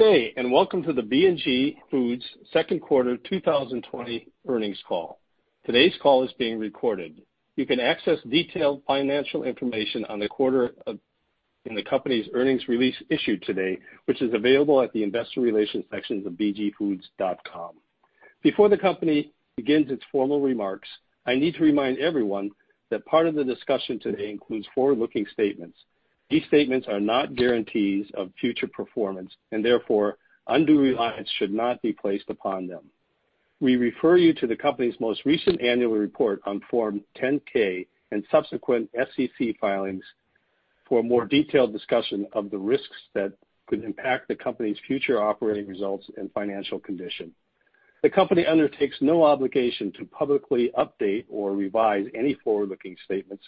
Good day, and welcome to the B&G Foods second quarter 2020 earnings call. Today's call is being recorded. You can access detailed financial information on the quarter in the company's earnings release issued today, which is available at the investor relations sections of bgfoods.com. Before the company begins its formal remarks, I need to remind everyone that part of the discussion today includes forward-looking statements. These statements are not guarantees of future performance and therefore undue reliance should not be placed upon them. We refer you to the company's most recent annual report on Form 10-K and subsequent SEC filings for a more detailed discussion of the risks that could impact the company's future operating results and financial condition. The company undertakes no obligation to publicly update or revise any forward-looking statements,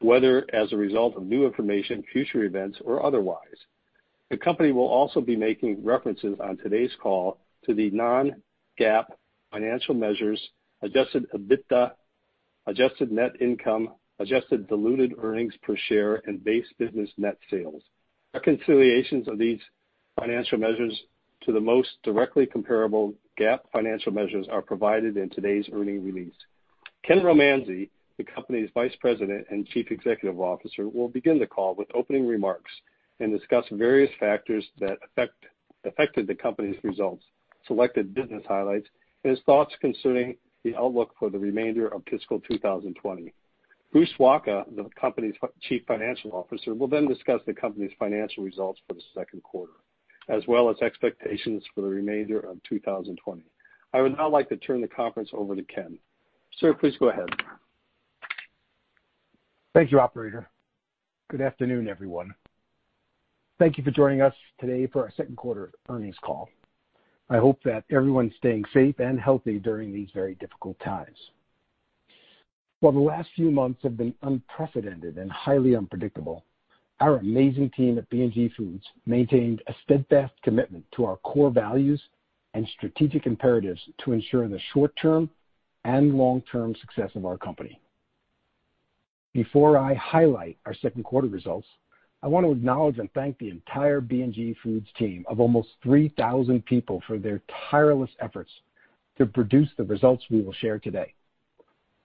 whether as a result of new information, future events, or otherwise. The company will also be making references on today's call to the non-GAAP financial measures, adjusted EBITDA, adjusted net income, adjusted diluted earnings per share, and base business net sales. Reconciliations of these financial measures to the most directly comparable GAAP financial measures are provided in today's earnings release. Ken Romanzi, the company's Vice President and Chief Executive Officer, will begin the call with opening remarks and discuss various factors that affected the company's results, selected business highlights, and his thoughts concerning the outlook for the remainder of fiscal 2020. Bruce Wacha, the company's Chief Financial Officer, will then discuss the company's financial results for the second quarter, as well as expectations for the remainder of 2020. I would now like to turn the conference over to Ken. Sir, please go ahead. Thank you, operator. Good afternoon, everyone. Thank you for joining us today for our second quarter earnings call. I hope that everyone's staying safe and healthy during these very difficult times. While the last few months have been unprecedented and highly unpredictable, our amazing team at B&G Foods maintained a steadfast commitment to our core values and strategic imperatives to ensure the short-term and long-term success of our company. Before I highlight our second quarter results, I want to acknowledge and thank the entire B&G Foods team of almost 3,000 people for their tireless efforts to produce the results we will share today,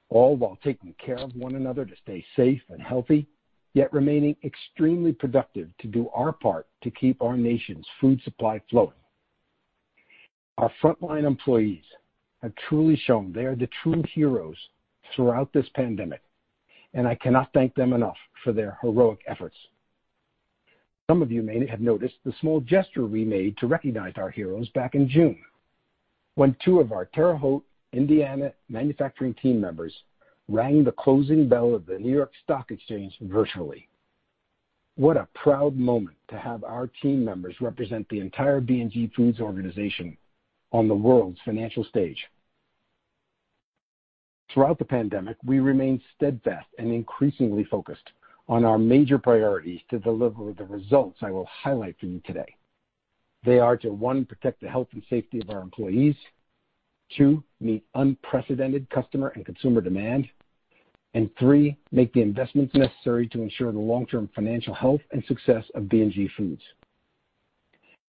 all while taking care of one another to stay safe and healthy, yet remaining extremely productive to do our part to keep our nation's food supply flowing. Our frontline employees have truly shown they are the true heroes throughout this pandemic, and I cannot thank them enough for their heroic efforts. Some of you may have noticed the small gesture we made to recognize our heroes back in June, when two of our Terre Haute, Indiana, manufacturing team members rang the closing bell of the New York Stock Exchange virtually. What a proud moment to have our team members represent the entire B&G Foods organization on the world's financial stage. Throughout the pandemic, we remain steadfast and increasingly focused on our major priorities to deliver the results I will highlight for you today. They are to, one, protect the health and safety of our employees, two, meet unprecedented customer and consumer demand, and three, make the investments necessary to ensure the long-term financial health and success of B&G Foods.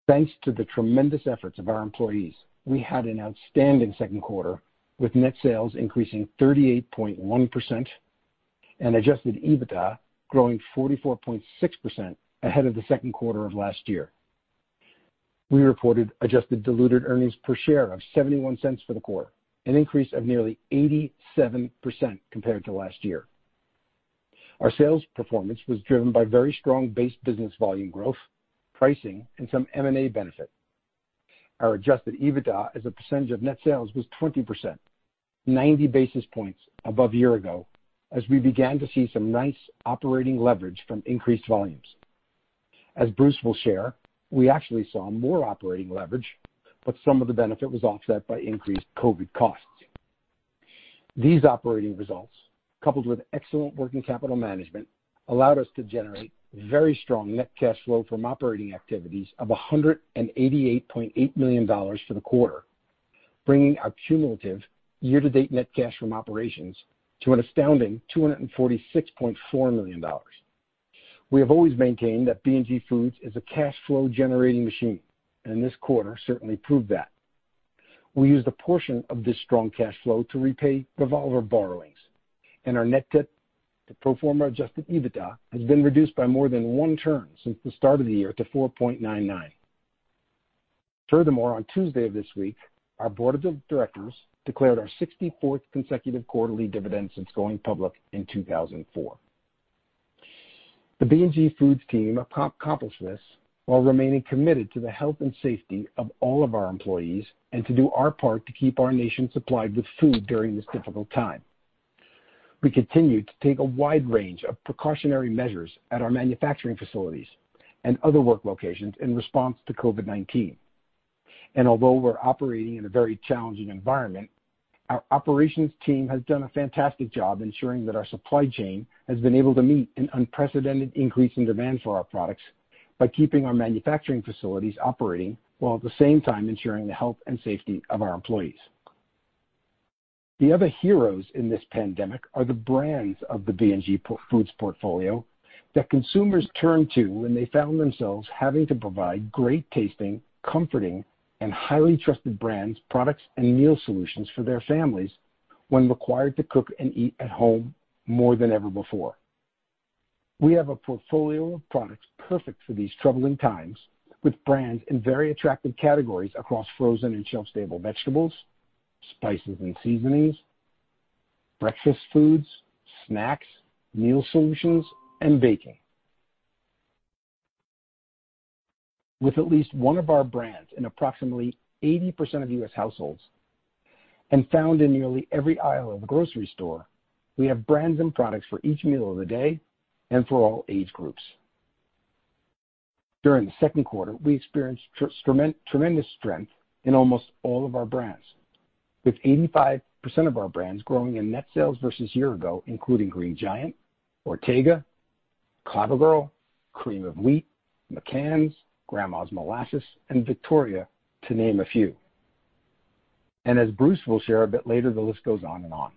Thanks to the tremendous efforts of our employees, we had an outstanding second quarter, with net sales increasing 38.1% and adjusted EBITDA growing 44.6% ahead of the second quarter of last year. We reported adjusted diluted earnings per share of $0.71 for the quarter, an increase of nearly 87% compared to last year. Our sales performance was driven by very strong base business volume growth, pricing, and some M&A benefit. Our adjusted EBITDA as a percentage of net sales was 20%, 90 basis points above a year ago, as we began to see some nice operating leverage from increased volumes. As Bruce will share, we actually saw more operating leverage, but some of the benefit was offset by increased COVID costs. These operating results, coupled with excellent working capital management, allowed us to generate very strong net cash flow from operating activities of $188.8 million for the quarter, bringing our cumulative year-to-date net cash from operations to an astounding $246.4 million. We have always maintained that B&G Foods is a cash flow-generating machine, and this quarter certainly proved that. We used a portion of this strong cash flow to repay revolver borrowings, and our net debt to pro forma adjusted EBITDA has been reduced by more than one turn since the start of the year to 4.99. Furthermore, on Tuesday of this week, our board of directors declared our 64th consecutive quarterly dividend since going public in 2004. The B&G Foods team accomplished this while remaining committed to the health and safety of all of our employees and to do our part to keep our nation supplied with food during this difficult time. We continue to take a wide range of precautionary measures at our manufacturing facilities and other work locations in response to COVID-19. Although we're operating in a very challenging environment, our operations team has done a fantastic job ensuring that our supply chain has been able to meet an unprecedented increase in demand for our products by keeping our manufacturing facilities operating while at the same time ensuring the health and safety of our employees. The other heroes in this pandemic are the brands of the B&G Foods portfolio that consumers turn to when they found themselves having to provide great-tasting, comforting, and highly trusted brands, products, and meal solutions for their families when required to cook and eat at home more than ever before. We have a portfolio of products perfect for these troubling times, with brands in very attractive categories across frozen and shelf-stable vegetables, spices and seasonings, breakfast foods, snacks, meal solutions, and baking. With at least one of our brands in approximately 80% of U.S. households and found in nearly every aisle of the grocery store, we have brands and products for each meal of the day and for all age groups. During the second quarter, we experienced tremendous strength in almost all of our brands, with 85% of our brands growing in net sales versus a year-ago, including Green Giant, Ortega, Clabber Girl, Cream of Wheat, McCann's, Grandma's Molasses, and Victoria, to name a few. As Bruce will share a bit later, the list goes on and on.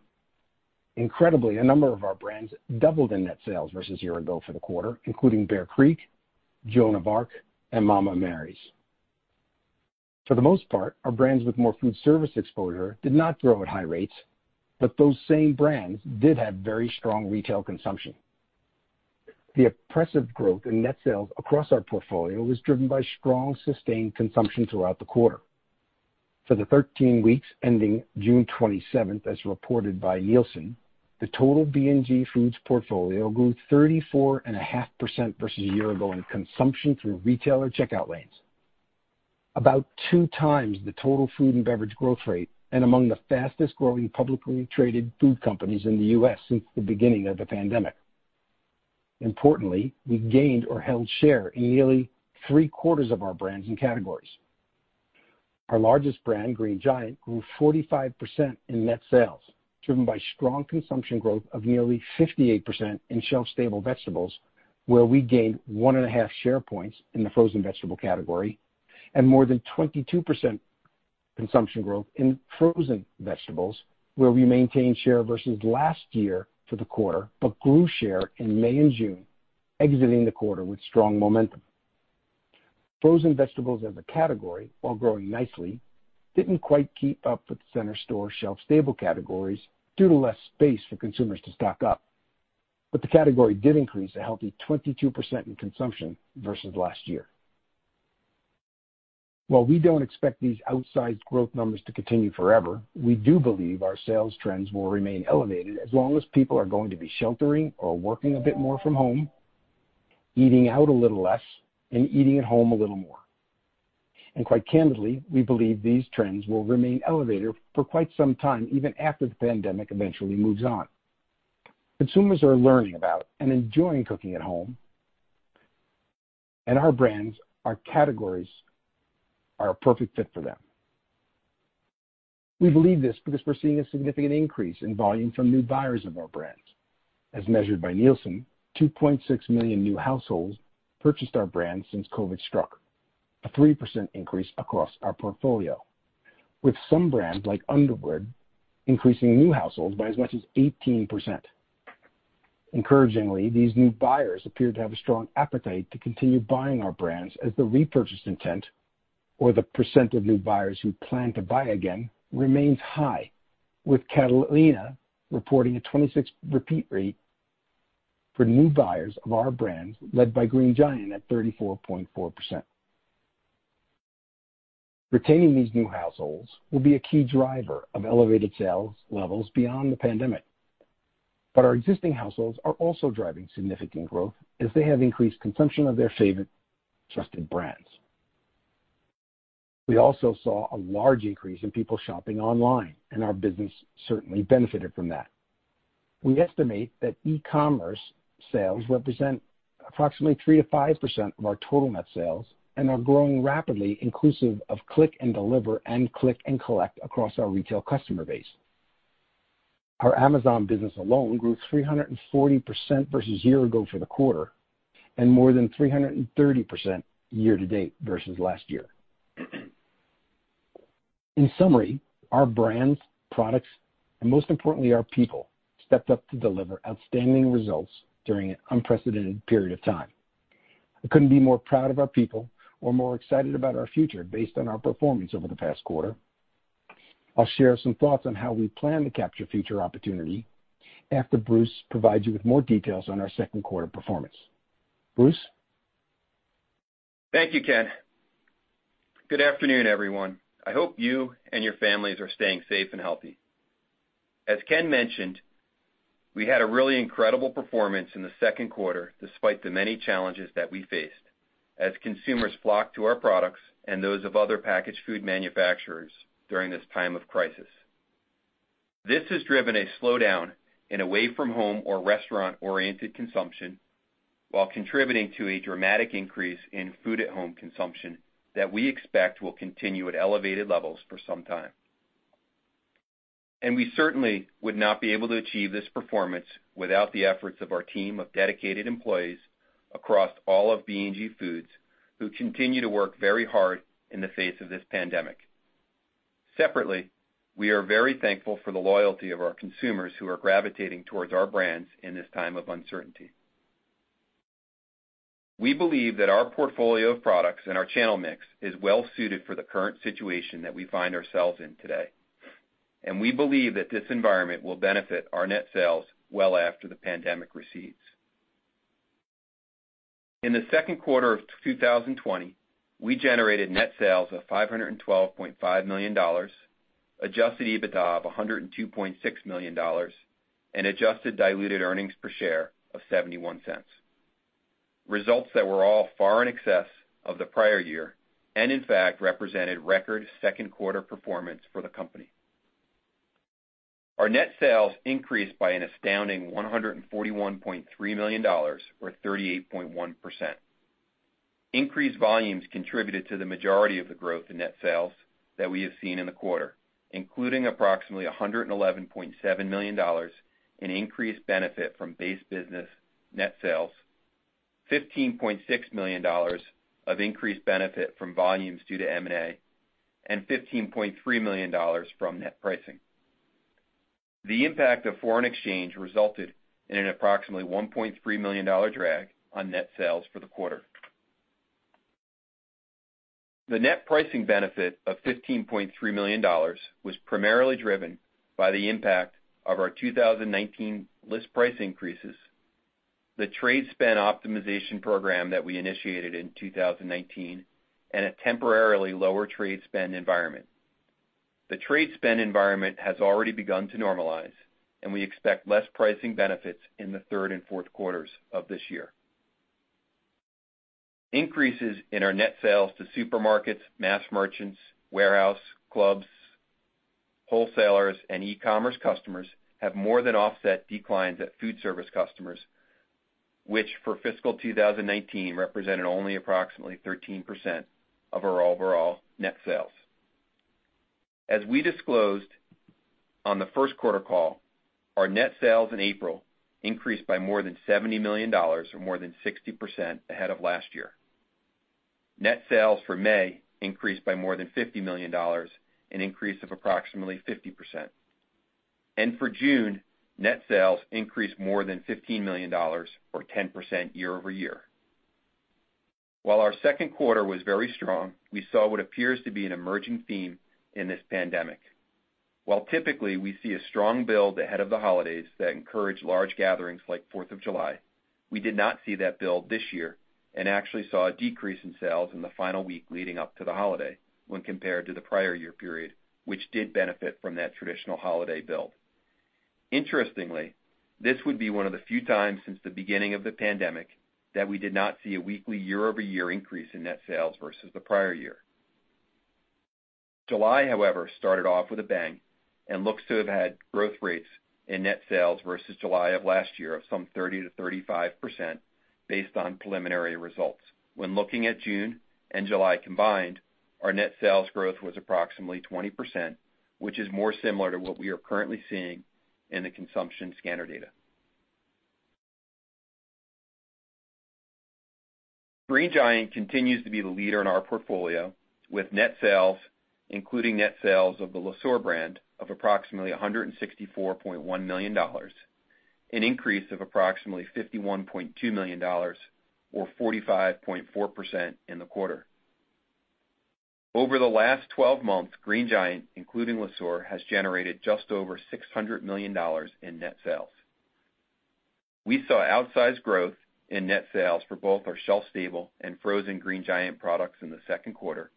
Incredibly, a number of our brands doubled in net sales versus a year-ago for the quarter, including Bear Creek, Joan of Arc, and Mama Mary's. For the most part, our brands with more food service exposure did not grow at high rates, but those same brands did have very strong retail consumption. The impressive growth in net sales across our portfolio was driven by strong, sustained consumption throughout the quarter. For the 13 weeks ending June 27th, as reported by Nielsen, the total B&G Foods portfolio grew 34.5% versus a year ago in consumption through retailer checkout lanes, about two times the total food and beverage growth rate and among the fastest-growing publicly traded food companies in the U.S. since the beginning of the pandemic. Importantly, we gained or held share in nearly three-quarters of our brands and categories. Our largest brand, Green Giant, grew 45% in net sales, driven by strong consumption growth of nearly 58% in shelf-stable vegetables, where we gained one and a half share points in the frozen vegetable category and more than 22% consumption growth in frozen vegetables, where we maintained share versus last year for the quarter, but grew share in May and June, exiting the quarter with strong momentum. Frozen vegetables as a category, while growing nicely, didn't quite keep up with the center store shelf-stable categories due to less space for consumers to stock up. The category did increase a healthy 22% in consumption versus last year. While we don't expect these outsized growth numbers to continue forever, we do believe our sales trends will remain elevated as long as people are going to be sheltering or working a bit more from home, eating out a little less, and eating at home a little more. Quite candidly, we believe these trends will remain elevated for quite some time, even after the pandemic eventually moves on. Consumers are learning about and enjoying cooking at home, and our brands, our categories, are a perfect fit for them. We believe this because we're seeing a significant increase in volume from new buyers of our brands. As measured by Nielsen, 2.6 million new households purchased our brands since COVID struck, a 3% increase across our portfolio, with some brands like Underwood increasing new households by as much as 18%. Encouragingly, these new buyers appear to have a strong appetite to continue buying our brands as the repurchase intent or the percent of new buyers who plan to buy again remains high, with Catalina reporting a 26 repeat rate for new buyers of our brands, led by Green Giant at 34.4%. Retaining these new households will be a key driver of elevated sales levels beyond the pandemic. Our existing households are also driving significant growth as they have increased consumption of their favorite trusted brands. We also saw a large increase in people shopping online, and our business certainly benefited from that. We estimate that e-commerce sales represent approximately 3%-5% of our total net sales and are growing rapidly, inclusive of click and deliver and click and collect across our retail customer base. Our Amazon business alone grew 340% versus a year ago for the quarter, and more than 330% year-to-date versus last year. In summary, our brands, products, and most importantly, our people, stepped up to deliver outstanding results during an unprecedented period of time. I couldn't be more proud of our people or more excited about our future based on our performance over the past quarter. I'll share some thoughts on how we plan to capture future opportunity after Bruce provides you with more details on our second quarter performance. Bruce? Thank you, Ken. Good afternoon, everyone. I hope you and your families are staying safe and healthy. As Ken mentioned, we had a really incredible performance in the second quarter despite the many challenges that we faced as consumers flocked to our products and those of other packaged food manufacturers during this time of crisis. This has driven a slowdown in away-from-home or restaurant-oriented consumption while contributing to a dramatic increase in food-at-home consumption that we expect will continue at elevated levels for some time. We certainly would not be able to achieve this performance without the efforts of our team of dedicated employees across all of B&G Foods, who continue to work very hard in the face of this pandemic. Separately, we are very thankful for the loyalty of our consumers who are gravitating towards our brands in this time of uncertainty. We believe that our portfolio of products and our channel mix is well suited for the current situation that we find ourselves in today, and we believe that this environment will benefit our net sales well after the pandemic recedes. In the second quarter of 2020, we generated net sales of $512.5 million, adjusted EBITDA of $102.6 million, and adjusted diluted earnings per share of $0.71, results that were all far in excess of the prior year and, in fact, represented record second quarter performance for the company. Our net sales increased by an astounding $141.3 million, or 38.1%. Increased volumes contributed to the majority of the growth in net sales that we have seen in the quarter, including approximately $111.7 million in increased benefit from base business net sales, $15.6 million of increased benefit from volumes due to M&A, and $15.3 million from net pricing. The impact of foreign exchange resulted in an approximately $1.3 million drag on net sales for the quarter. The net pricing benefit of $15.3 million was primarily driven by the impact of our 2019 list price increases, the trade spend optimization program that we initiated in 2019, and a temporarily lower trade spend environment. The trade spend environment has already begun to normalize, and we expect less pricing benefits in the third and fourth quarters of this year. Increases in our net sales to supermarkets, mass merchants, warehouse, clubs, wholesalers, and e-commerce customers have more than offset declines at food service customers, which for fiscal 2019 represented only approximately 13% of our overall net sales. As we disclosed on the first quarter call, our net sales in April increased by more than $70 million, or more than 60% ahead of last year. Net sales for May increased by more than $50 million, an increase of approximately 50%. For June, net sales increased more than $15 million, or 10% year-over-year. While our second quarter was very strong, we saw what appears to be an emerging theme in this pandemic. While typically we see a strong build ahead of the holidays that encourage large gatherings like July 4th, we did not see that build this year and actually saw a decrease in sales in the final week leading up to the holiday when compared to the prior year period, which did benefit from that traditional holiday build. Interestingly, this would be one of the few times since the beginning of the pandemic that we did not see a weekly year-over-year increase in net sales versus the prior year. July, however, started off with a bang and looks to have had growth rates in net sales versus July of last year of some 30%-35% based on preliminary results. When looking at June and July combined, our net sales growth was approximately 20%, which is more similar to what we are currently seeing in the consumption scanner data. Green Giant continues to be the leader in our portfolio with net sales, including net sales of the Le Sueur brand of approximately $164.1 million, an increase of approximately $51.2 million or 45.4% in the quarter. Over the last 12 months, Green Giant, including Le Sueur, has generated just over $600 million in net sales. We saw outsized growth in net sales for both our shelf-stable and frozen Green Giant products in the second quarter,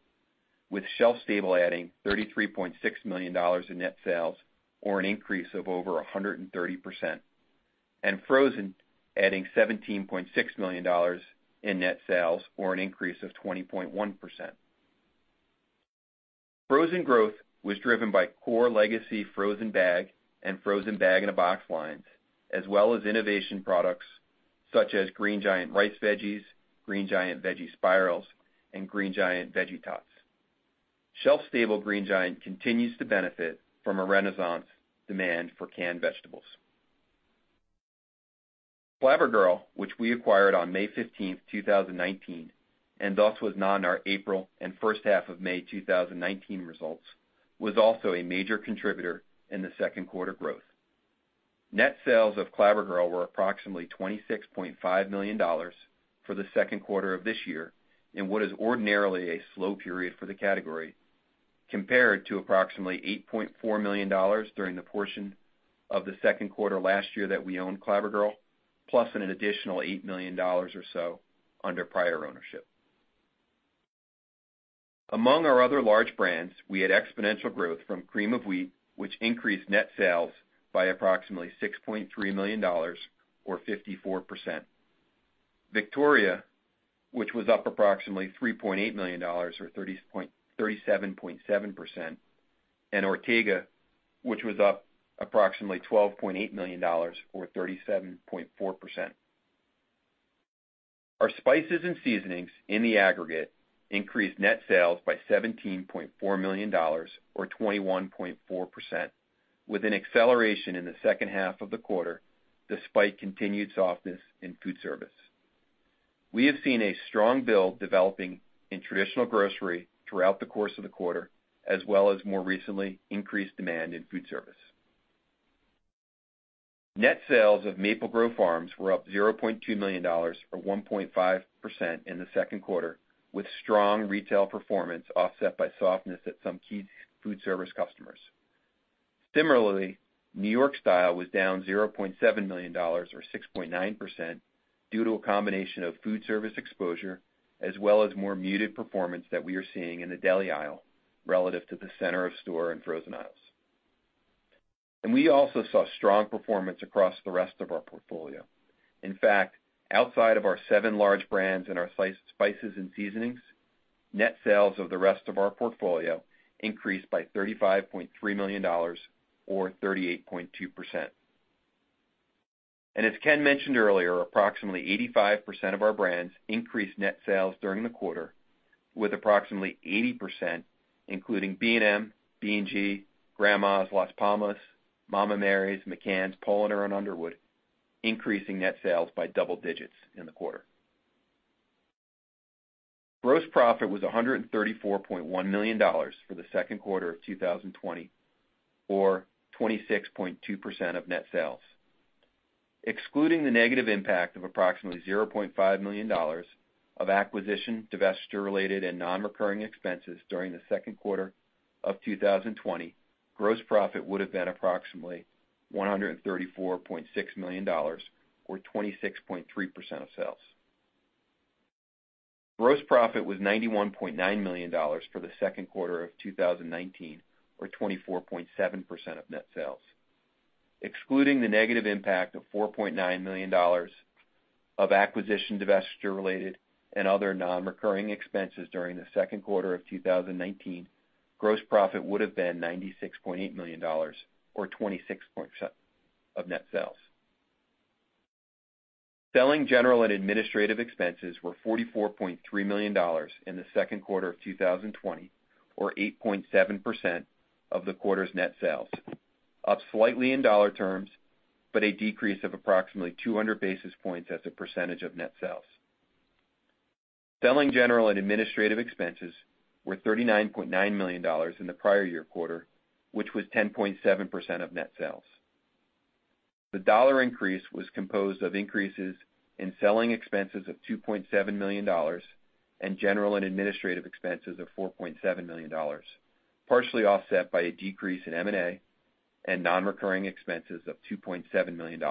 with shelf stable adding $33.6 million in net sales, or an increase of over 130%, and frozen adding $17.6 million in net sales, or an increase of 20.1%. Frozen growth was driven by core legacy frozen bag and frozen bag in a box lines, as well as innovation products such as Green Giant Riced Veggies, Green Giant Veggie Spirals, and Green Giant Veggie Tots. Shelf stable Green Giant continues to benefit from a renaissance demand for canned vegetables. Clabber Girl, which we acquired on May 15th, 2019, and thus was not in our April and first half of May 2019 results, was also a major contributor in the second quarter growth. Net sales of Clabber Girl were approximately $26.5 million for the second quarter of this year, in what is ordinarily a slow period for the category, compared to approximately $8.4 million during the portion of the second quarter last year that we owned Clabber Girl, plus an additional $8 million or so under prior ownership. Among our other large brands, we had exponential growth from Cream of Wheat, which increased net sales by approximately $6.3 million, or 54%. Victoria, which was up approximately $3.8 million, or 37.7%, and Ortega, which was up approximately $12.8 million, or 37.4%. Our spices and seasonings in the aggregate increased net sales by $17.4 million or 21.4%. With an acceleration in the second half of the quarter, despite continued softness in food service. We have seen a strong build developing in traditional grocery throughout the course of the quarter, as well as more recently, increased demand in food service. Net sales of Maple Grove Farms were up $0.2 million, or 1.5% in the second quarter, with strong retail performance offset by softness at some key food service customers. Similarly, New York Style was down $0.7 million or 6.9%, due to a combination of food service exposure, as well as more muted performance that we are seeing in the deli aisle relative to the center of store and frozen aisles. We also saw strong performance across the rest of our portfolio. In fact, outside of our seven large brands and our spices and seasonings, net sales of the rest of our portfolio increased by $35.3 million or 38.2%. As Ken mentioned earlier, approximately 85% of our brands increased net sales during the quarter, with approximately 80%, including B&M, B&G, Grandma's, Las Palmas, Mama Mary's, McCann's, Polaner, and Underwood, increasing net sales by double digits in the quarter. Gross profit was $134.1 million for the second quarter of 2020, or 26.2% of net sales. Excluding the negative impact of approximately $0.5 million of acquisition, divestiture-related, and non-recurring expenses during the second quarter of 2020, gross profit would've been approximately $134.6 million or 26.3% of sales. Gross profit was $91.9 million for the second quarter of 2019, or 24.7% of net sales. Excluding the negative impact of $4.9 million of acquisition, divestiture-related, and other non-recurring expenses during the second quarter of 2019, gross profit would've been $96.8 million or 26% of net sales. Selling, general, and administrative expenses were $44.3 million in the second quarter of 2020, or 8.7% of the quarter's net sales. Up slightly in dollar terms, but a decrease of approximately 200 basis points as a percentage of net sales. Selling, general, and administrative expenses were $39.9 million in the prior year quarter, which was 10.7% of net sales. The dollar increase was composed of increases in selling expenses of $2.7 million and general and administrative expenses of $4.7 million, partially offset by a decrease in M&A and non-recurring expenses of $2.7 million,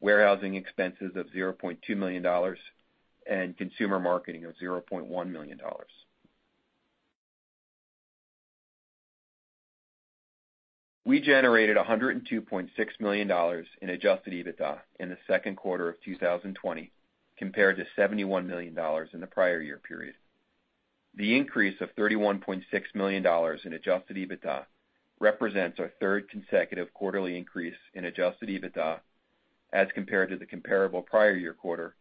warehousing expenses of $0.2 million, and consumer marketing of $0.1 million. We generated $102.6 million in adjusted EBITDA in the second quarter of 2020, compared to $71 million in the prior year period. The increase of $31.6 million in adjusted EBITDA represents our third consecutive quarterly increase in adjusted EBITDA as compared to the comparable prior year quarter,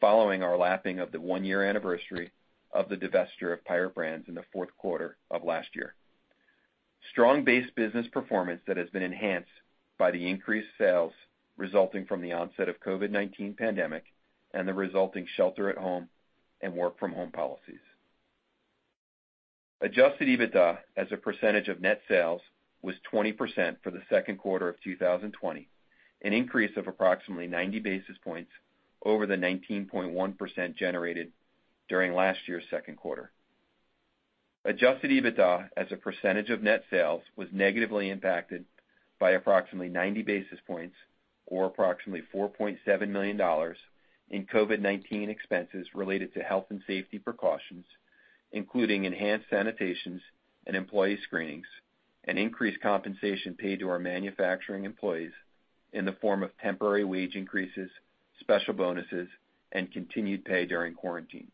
following our lapping of the one-year anniversary of the divestiture of Pirate Brands in the fourth quarter of last year. Strong base business performance that has been enhanced by the increased sales resulting from the onset of COVID-19 pandemic and the resulting shelter at home and work from home policies. Adjusted EBITDA as a percentage of net sales was 20% for the second quarter of 2020, an increase of approximately 90 basis points over the 19.1% generated during last year's second quarter. Adjusted EBITDA as a percentage of net sales was negatively impacted by approximately 90 basis points or approximately $4.7 million in COVID-19 expenses related to health and safety precautions, including enhanced sanitations and employee screenings, and increased compensation paid to our manufacturing employees in the form of temporary wage increases, special bonuses, and continued pay during quarantines.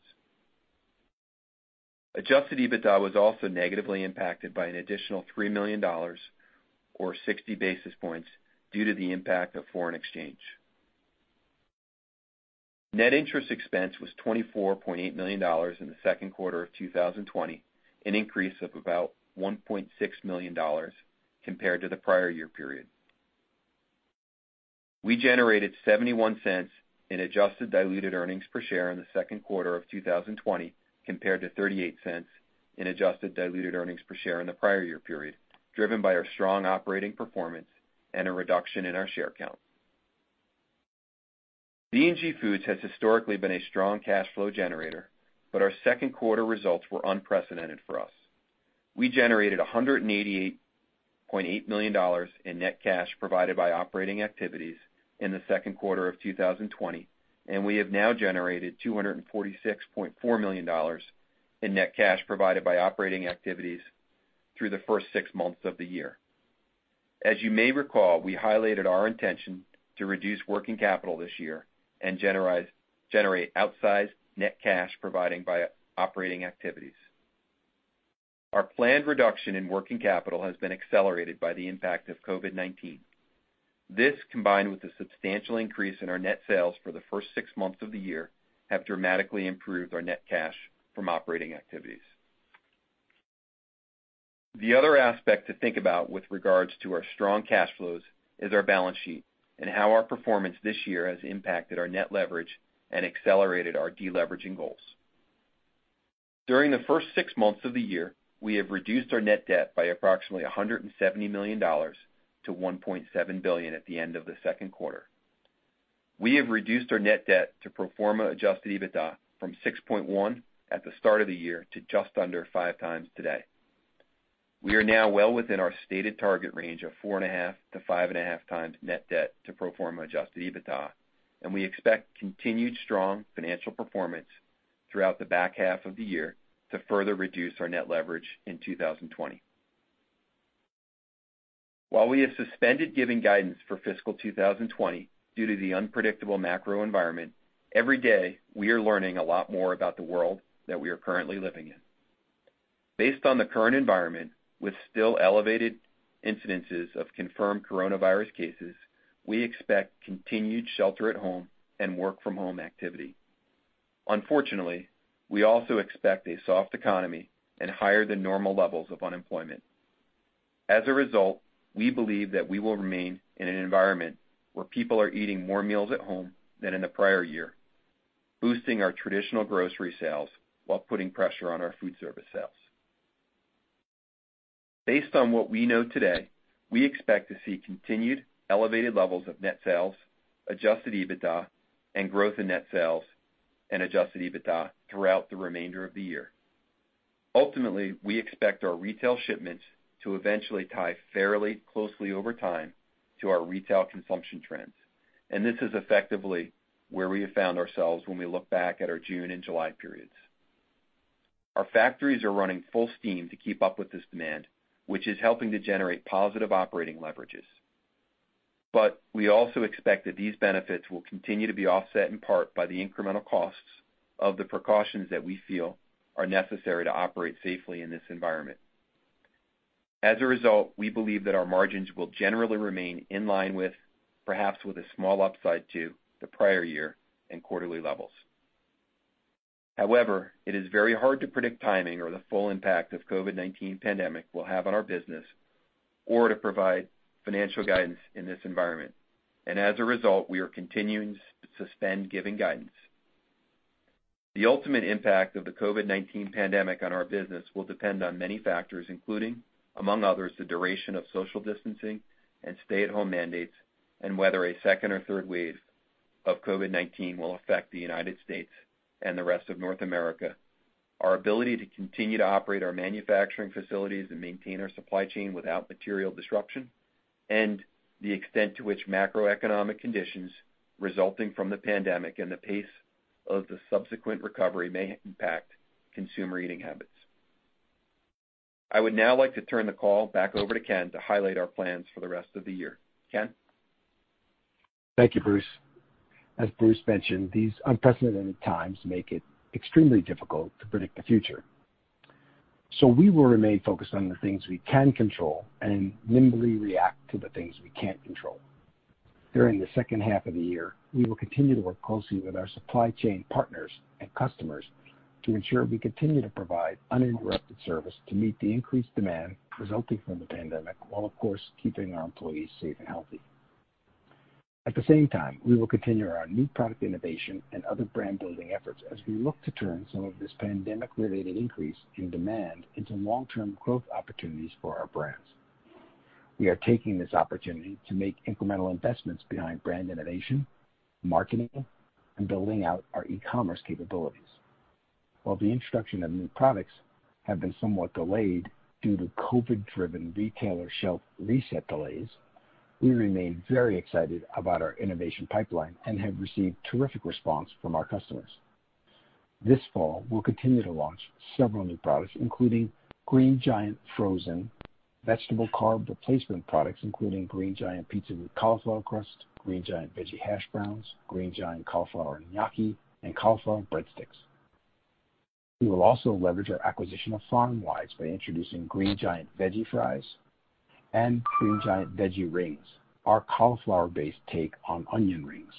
Adjusted EBITDA was also negatively impacted by an additional $3 million or 60 basis points due to the impact of foreign exchange. Net interest expense was $24.8 million in the second quarter of 2020, an increase of about $1.6 million compared to the prior year period. We generated $0.71 in adjusted diluted earnings per share in the second quarter of 2020, compared to $0.38 in adjusted diluted earnings per share in the prior year period, driven by our strong operating performance and a reduction in our share count. B&G Foods has historically been a strong cash flow generator, but our second quarter results were unprecedented for us. We generated $188.8 million in net cash provided by operating activities in the second quarter of 2020, and we have now generated $246.4 million in net cash provided by operating activities through the first six months of the year. As you may recall, we highlighted our intention to reduce working capital this year and generate outsized net cash provided by operating activities. Our planned reduction in working capital has been accelerated by the impact of COVID-19. This, combined with the substantial increase in our net sales for the first six months of the year, have dramatically improved our net cash from operating activities. The other aspect to think about with regards to our strong cash flows is our balance sheet and how our performance this year has impacted our net leverage and accelerated our de-leveraging goals. During the first six months of the year, we have reduced our net debt by approximately $170 million to $1.7 billion at the end of the second quarter. We have reduced our net debt to pro forma adjusted EBITDA from 6.1 at the start of the year to just under five times today. We are now well within our stated target range of four and a half to five and a half times net debt to pro forma adjusted EBITDA, and we expect continued strong financial performance throughout the back half of the year to further reduce our net leverage in 2020. While we have suspended giving guidance for fiscal 2020 due to the unpredictable macro environment, every day, we are learning a lot more about the world that we are currently living in. Based on the current environment, with still elevated incidences of confirmed coronavirus cases, we expect continued shelter at home and work from home activity. Unfortunately, we also expect a soft economy and higher than normal levels of unemployment. As a result, we believe that we will remain in an environment where people are eating more meals at home than in the prior year, boosting our traditional grocery sales while putting pressure on our food service sales. Based on what we know today, we expect to see continued elevated levels of net sales, adjusted EBITDA, and growth in net sales and adjusted EBITDA throughout the remainder of the year. Ultimately, we expect our retail shipments to eventually tie fairly closely over time to our retail consumption trends, and this is effectively where we have found ourselves when we look back at our June and July periods. Our factories are running full steam to keep up with this demand, which is helping to generate positive operating leverages. We also expect that these benefits will continue to be offset in part by the incremental costs of the precautions that we feel are necessary to operate safely in this environment. As a result, we believe that our margins will generally remain in line with, perhaps with a small upside to, the prior year and quarterly levels. However, it is very hard to predict timing or the full impact the COVID-19 pandemic will have on our business or to provide financial guidance in this environment, and as a result, we are continuing to suspend giving guidance. The ultimate impact of the COVID-19 pandemic on our business will depend on many factors, including, among others, the duration of social distancing and stay at home mandates and whether a second or third wave of COVID-19 will affect the United States and the rest of North America, our ability to continue to operate our manufacturing facilities and maintain our supply chain without material disruption, and the extent to which macroeconomic conditions resulting from the pandemic and the pace of the subsequent recovery may impact consumer eating habits. I would now like to turn the call back over to Ken to highlight our plans for the rest of the year. Ken? Thank you, Bruce. As Bruce mentioned, these unprecedented times make it extremely difficult to predict the future. We will remain focused on the things we can control and nimbly react to the things we can't control. During the second half of the year, we will continue to work closely with our supply chain partners and customers to ensure we continue to provide uninterrupted service to meet the increased demand resulting from the pandemic while, of course, keeping our employees safe and healthy. At the same time, we will continue our new product innovation and other brand building efforts as we look to turn some of this pandemic-related increase in demand into long-term growth opportunities for our brands. We are taking this opportunity to make incremental investments behind brand innovation, marketing, and building out our e-commerce capabilities. While the introduction of new products have been somewhat delayed due to COVID-driven retailer shelf reset delays, we remain very excited about our innovation pipeline and have received terrific response from our customers. This fall, we'll continue to launch several new products, including Green Giant frozen vegetable carb replacement products, including Green Giant pizza with cauliflower crust, Green Giant Veggie Hash Browns, Green Giant Cauliflower Gnocchi, and cauliflower breadsticks. We will also leverage our acquisition of Farmwise by introducing Green Giant Veggie Fries and Green Giant Veggie Rings, our cauliflower-based take on onion rings.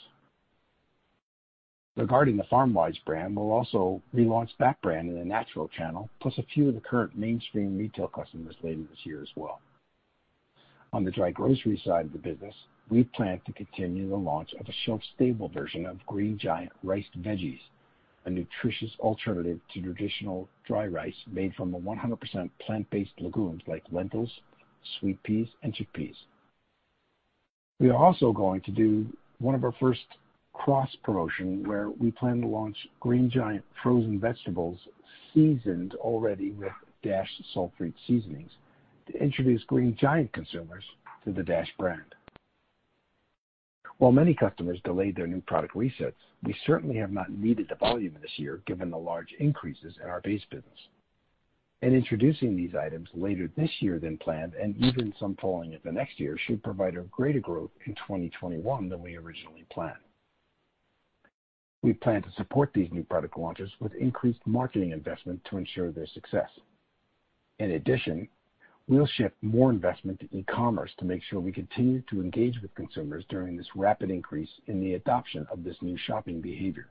Regarding the Farmwise brand, we'll also relaunch that brand in the natural channel, plus a few of the current mainstream retail customers later this year as well. On the dry grocery side of the business, we plan to continue the launch of a shelf-stable version of Green Giant Riced Veggies, a nutritious alternative to traditional dry rice made from a 100% plant-based legumes like lentils, sweet peas, and chickpeas. We are also going to do one of our first cross-promotion where we plan to launch Green Giant frozen vegetables seasoned already with Dash salt-free seasonings to introduce Green Giant consumers to the Dash brand. While many customers delayed their new product resets, we certainly have not needed the volume this year given the large increases in our base business. Introducing these items later this year than planned and even some falling into next year should provide a greater growth in 2021 than we originally planned. We plan to support these new product launches with increased marketing investment to ensure their success. We'll shift more investment to e-commerce to make sure we continue to engage with consumers during this rapid increase in the adoption of this new shopping behavior.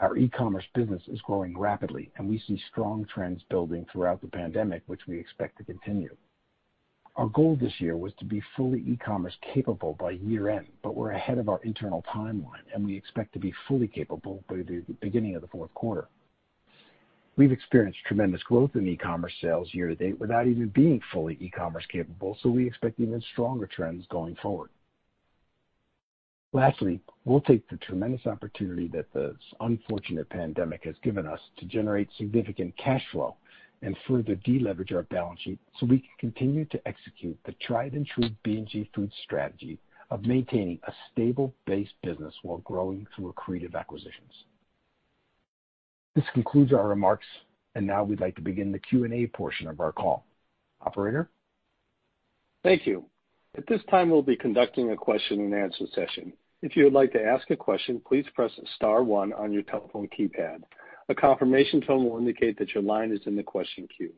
Our e-commerce business is growing rapidly, and we see strong trends building throughout the pandemic, which we expect to continue. Our goal this year was to be fully e-commerce capable by year-end, but we're ahead of our internal timeline, and we expect to be fully capable by the beginning of the fourth quarter. We've experienced tremendous growth in e-commerce sales year to date without even being fully e-commerce capable, so we expect even stronger trends going forward. Lastly, we'll take the tremendous opportunity that the unfortunate pandemic has given us to generate significant cash flow and further de-leverage our balance sheet so we can continue to execute the tried and true B&G Foods strategy of maintaining a stable base business while growing through accretive acquisitions. This concludes our remarks. Now we'd like to begin the Q&A portion of our call. Operator? Thank you. At this time, we'll be conducting a question and answer session. If you would like to ask a question, please press star one on your telephone keypad. A confirmation tone will indicate that your line is in the question queue.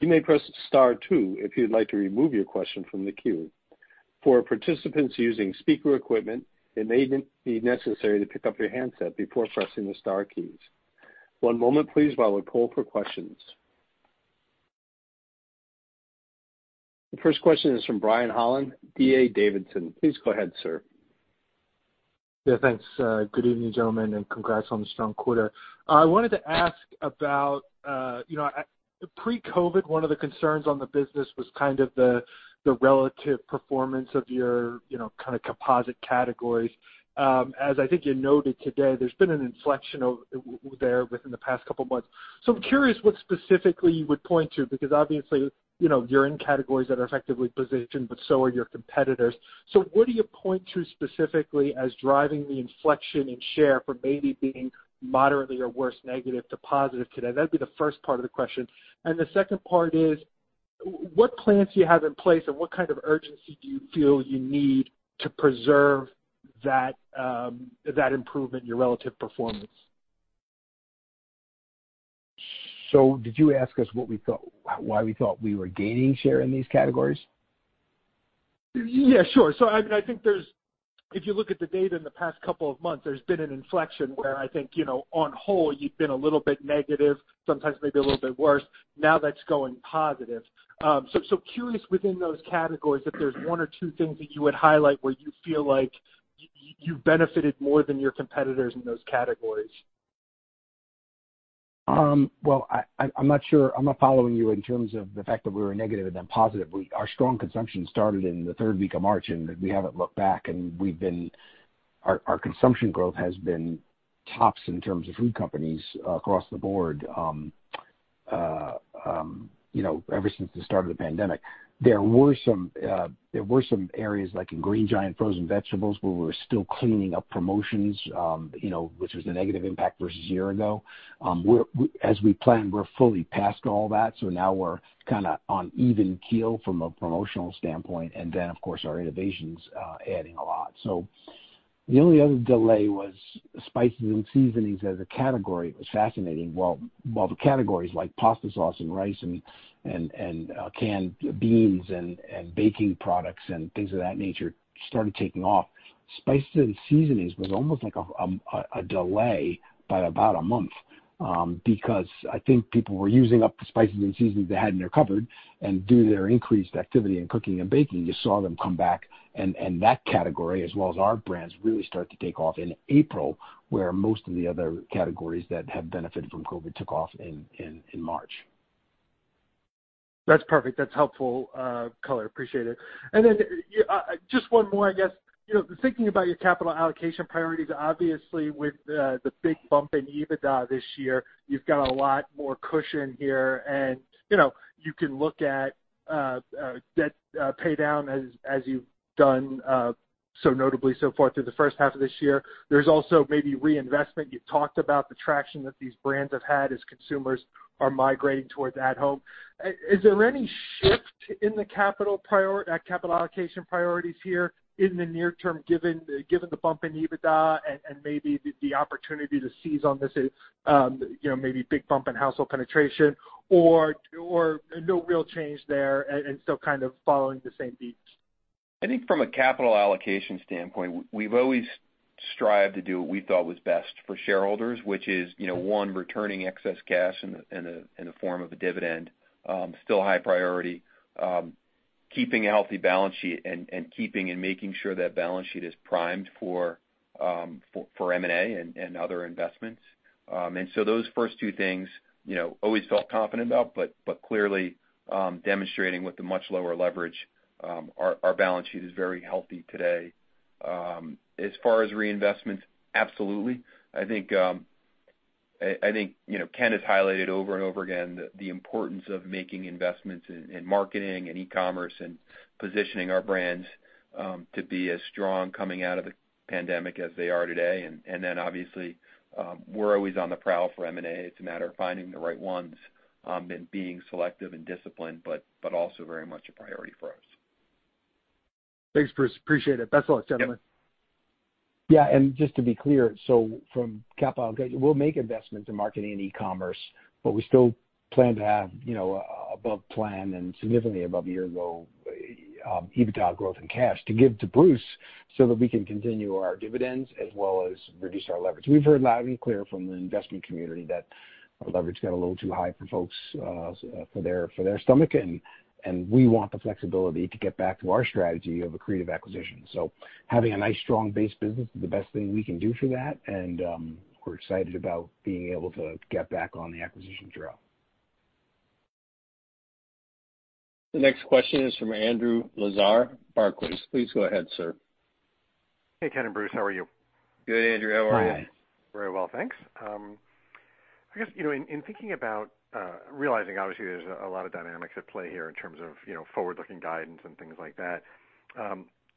You may press star two if you'd like to remove your question from the queue. For participants using speaker equipment, it may be necessary to pick up your handset before pressing the star keys. One moment please while we poll for questions. The first question is from Brian Holland, D.A. Davidson. Please go ahead, sir. Yeah, thanks. Good evening, gentlemen, congrats on the strong quarter. I wanted to ask about, pre-COVID, one of the concerns on the business was kind of the relative performance of your composite categories. As I think you noted today, there's been an inflection there within the past couple of months. I'm curious what specifically you would point to, because obviously, you're in categories that are effectively positioned, but so are your competitors. What do you point to specifically as driving the inflection in share from maybe being moderately or worse, negative to positive today? That'd be the first part of the question. The second part is, what plans do you have in place, and what kind of urgency do you feel you need to preserve that improvement in your relative performance? Did you ask us why we thought we were gaining share in these categories? Yeah, sure. I think if you look at the data in the past couple of months, there's been an inflection where I think, on whole, you've been a little bit negative, sometimes maybe a little bit worse. Now that's going positive. Curious within those categories if there's one or two things that you would highlight where you feel like you've benefited more than your competitors in those categories. I'm not sure. I'm not following you in terms of the fact that we were negative and then positive. Our strong consumption started in the third week of March, and we haven't looked back, and our consumption growth has been tops in terms of food companies across the board ever since the start of the pandemic. There were some areas, like in Green Giant frozen vegetables, where we were still cleaning up promotions, which was a negative impact versus a year ago. As we planned, we're fully past all that, so now we're kind of on even keel from a promotional standpoint. Then, of course, our innovation's adding a lot. The only other delay was spices and seasonings as a category. It was fascinating. While the categories like pasta sauce and rice and canned beans and baking products and things of that nature started taking off, spices and seasonings was almost like a delay by about a month because I think people were using up the spices and seasonings they had in their cupboard, and due to their increased activity in cooking and baking, you saw them come back, and that category as well as our brands really start to take off in April, where most of the other categories that have benefited from COVID took off in March. That's perfect. That's helpful color. Appreciate it. Just one more, I guess. Thinking about your capital allocation priorities, obviously with the big bump in EBITDA this year, you've got a lot more cushion here, and you can look at debt paydown as you've done so notably so far through the first half of this year. There's also maybe reinvestment. You've talked about the traction that these brands have had as consumers are migrating towards at home. Is there any shift in the capital allocation priorities here in the near term, given the bump in EBITDA and maybe the opportunity to seize on this maybe big bump in household penetration, or no real change there and still kind of following the same beats? I think from a capital allocation standpoint, we've always strived to do what we thought was best for shareholders, which is, one, returning excess cash in the form of a dividend, still a high priority. Keeping a healthy balance sheet and making sure that balance sheet is primed for M&A and other investments. Those first two things always felt confident about, but clearly demonstrating with the much lower leverage, our balance sheet is very healthy today. As far as reinvestments, absolutely. I think Ken has highlighted over and over again the importance of making investments in marketing and e-commerce and positioning our brands to be as strong coming out of the pandemic as they are today. Obviously, we're always on the prowl for M&A. It's a matter of finding the right ones and being selective and disciplined, but also very much a priority for us. Thanks, Bruce. Appreciate it. Best of luck, gentlemen. Just to be clear, from cap op, we'll make investments in marketing and e-commerce, but we still plan to have above plan and significantly above year-ago EBITDA growth and cash to give to Bruce so that we can continue our dividends as well as reduce our leverage. We've heard loud and clear from the investment community that our leverage got a little too high for folks for their stomach. We want the flexibility to get back to our strategy of accretive acquisitions. Having a nice strong base business is the best thing we can do for that. We're excited about being able to get back on the acquisition trail. The next question is from Andrew Lazar, Barclays. Please go ahead, sir. Hey, Ken and Bruce. How are you? Good, Andrew. How are you? Hi. Very well, thanks. I guess, in thinking about realizing, obviously, there's a lot of dynamics at play here in terms of forward-looking guidance and things like that.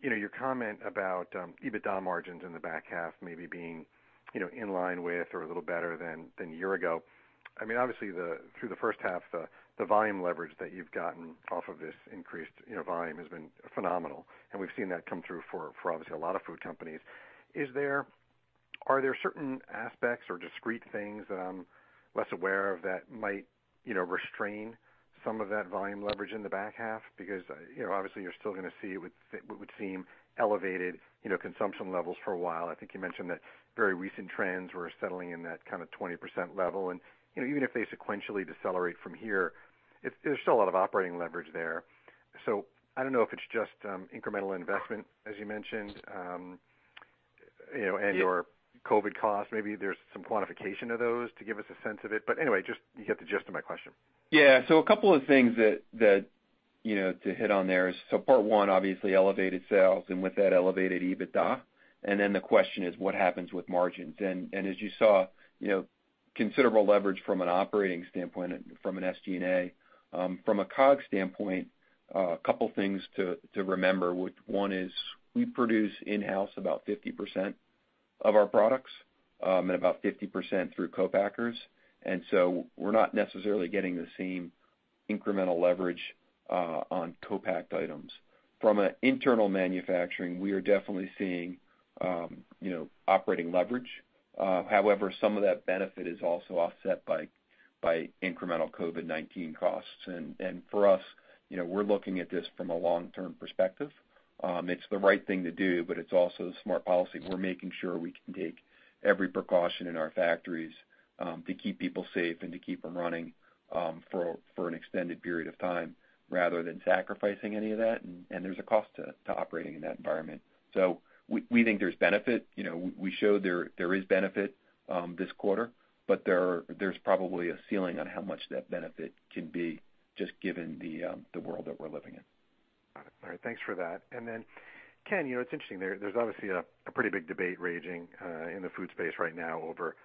Your comment about EBITDA margins in the back half maybe being in line with or a little better than a year ago. Obviously, through the first half, the volume leverage that you've gotten off of this increased volume has been phenomenal. We've seen that come through for obviously a lot of food companies. Are there certain aspects or discrete things that I'm less aware of that might restrain some of that volume leverage in the back half? Obviously you're still going to see what would seem elevated consumption levels for a while. I think you mentioned that very recent trends were settling in that kind of 20% level, and even if they sequentially decelerate from here, there's still a lot of operating leverage there. I don't know if it's just incremental investment, as you mentioned, and/or COVID costs. Maybe there's some quantification of those to give us a sense of it. Anyway, you get the gist of my question. Yeah. A couple of things to hit on there is, so part one, obviously elevated sales, and with that, elevated EBITDA. Then the question is what happens with margins? As you saw, considerable leverage from an operating standpoint and from an SG&A. From a COGS standpoint, a couple things to remember. One is we produce in-house about 50% of our products, and about 50% through co-packers. We're not necessarily getting the same incremental leverage on co-packed items. From an internal manufacturing, we are definitely seeing operating leverage. However, some of that benefit is also offset by incremental COVID-19 costs. For us, we're looking at this from a long-term perspective. It's the right thing to do, but it's also the smart policy. We're making sure we can take every precaution in our factories, to keep people safe and to keep them running, for an extended period of time rather than sacrificing any of that, and there's a cost to operating in that environment. We think there's benefit. We showed there is benefit this quarter, but there's probably a ceiling on how much that benefit can be, just given the world that we're living in. Got it. All right. Thanks for that. Ken, it's interesting, there's obviously a pretty big debate raging in the food space right now over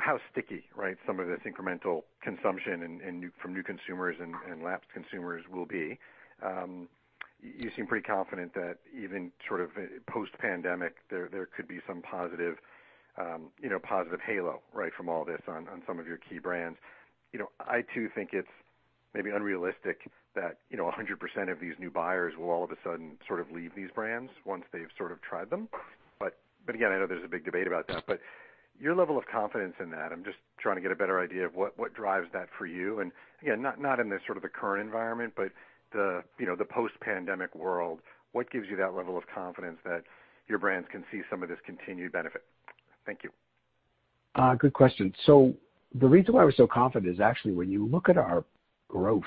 how sticky some of this incremental consumption from new consumers and lapsed consumers will be. You seem pretty confident that even sort of post-pandemic, there could be some positive halo from all this on some of your key brands. I too, think it's maybe unrealistic that 100% of these new buyers will all of a sudden leave these brands once they've tried them. Again, I know there's a big debate about that, but your level of confidence in that, I'm just trying to get a better idea of what drives that for you. Again, not in the current environment, but the post-pandemic world. What gives you that level of confidence that your brands can see some of this continued benefit? Thank you. Good question. The reason why we're so confident is, actually, when you look at our growth,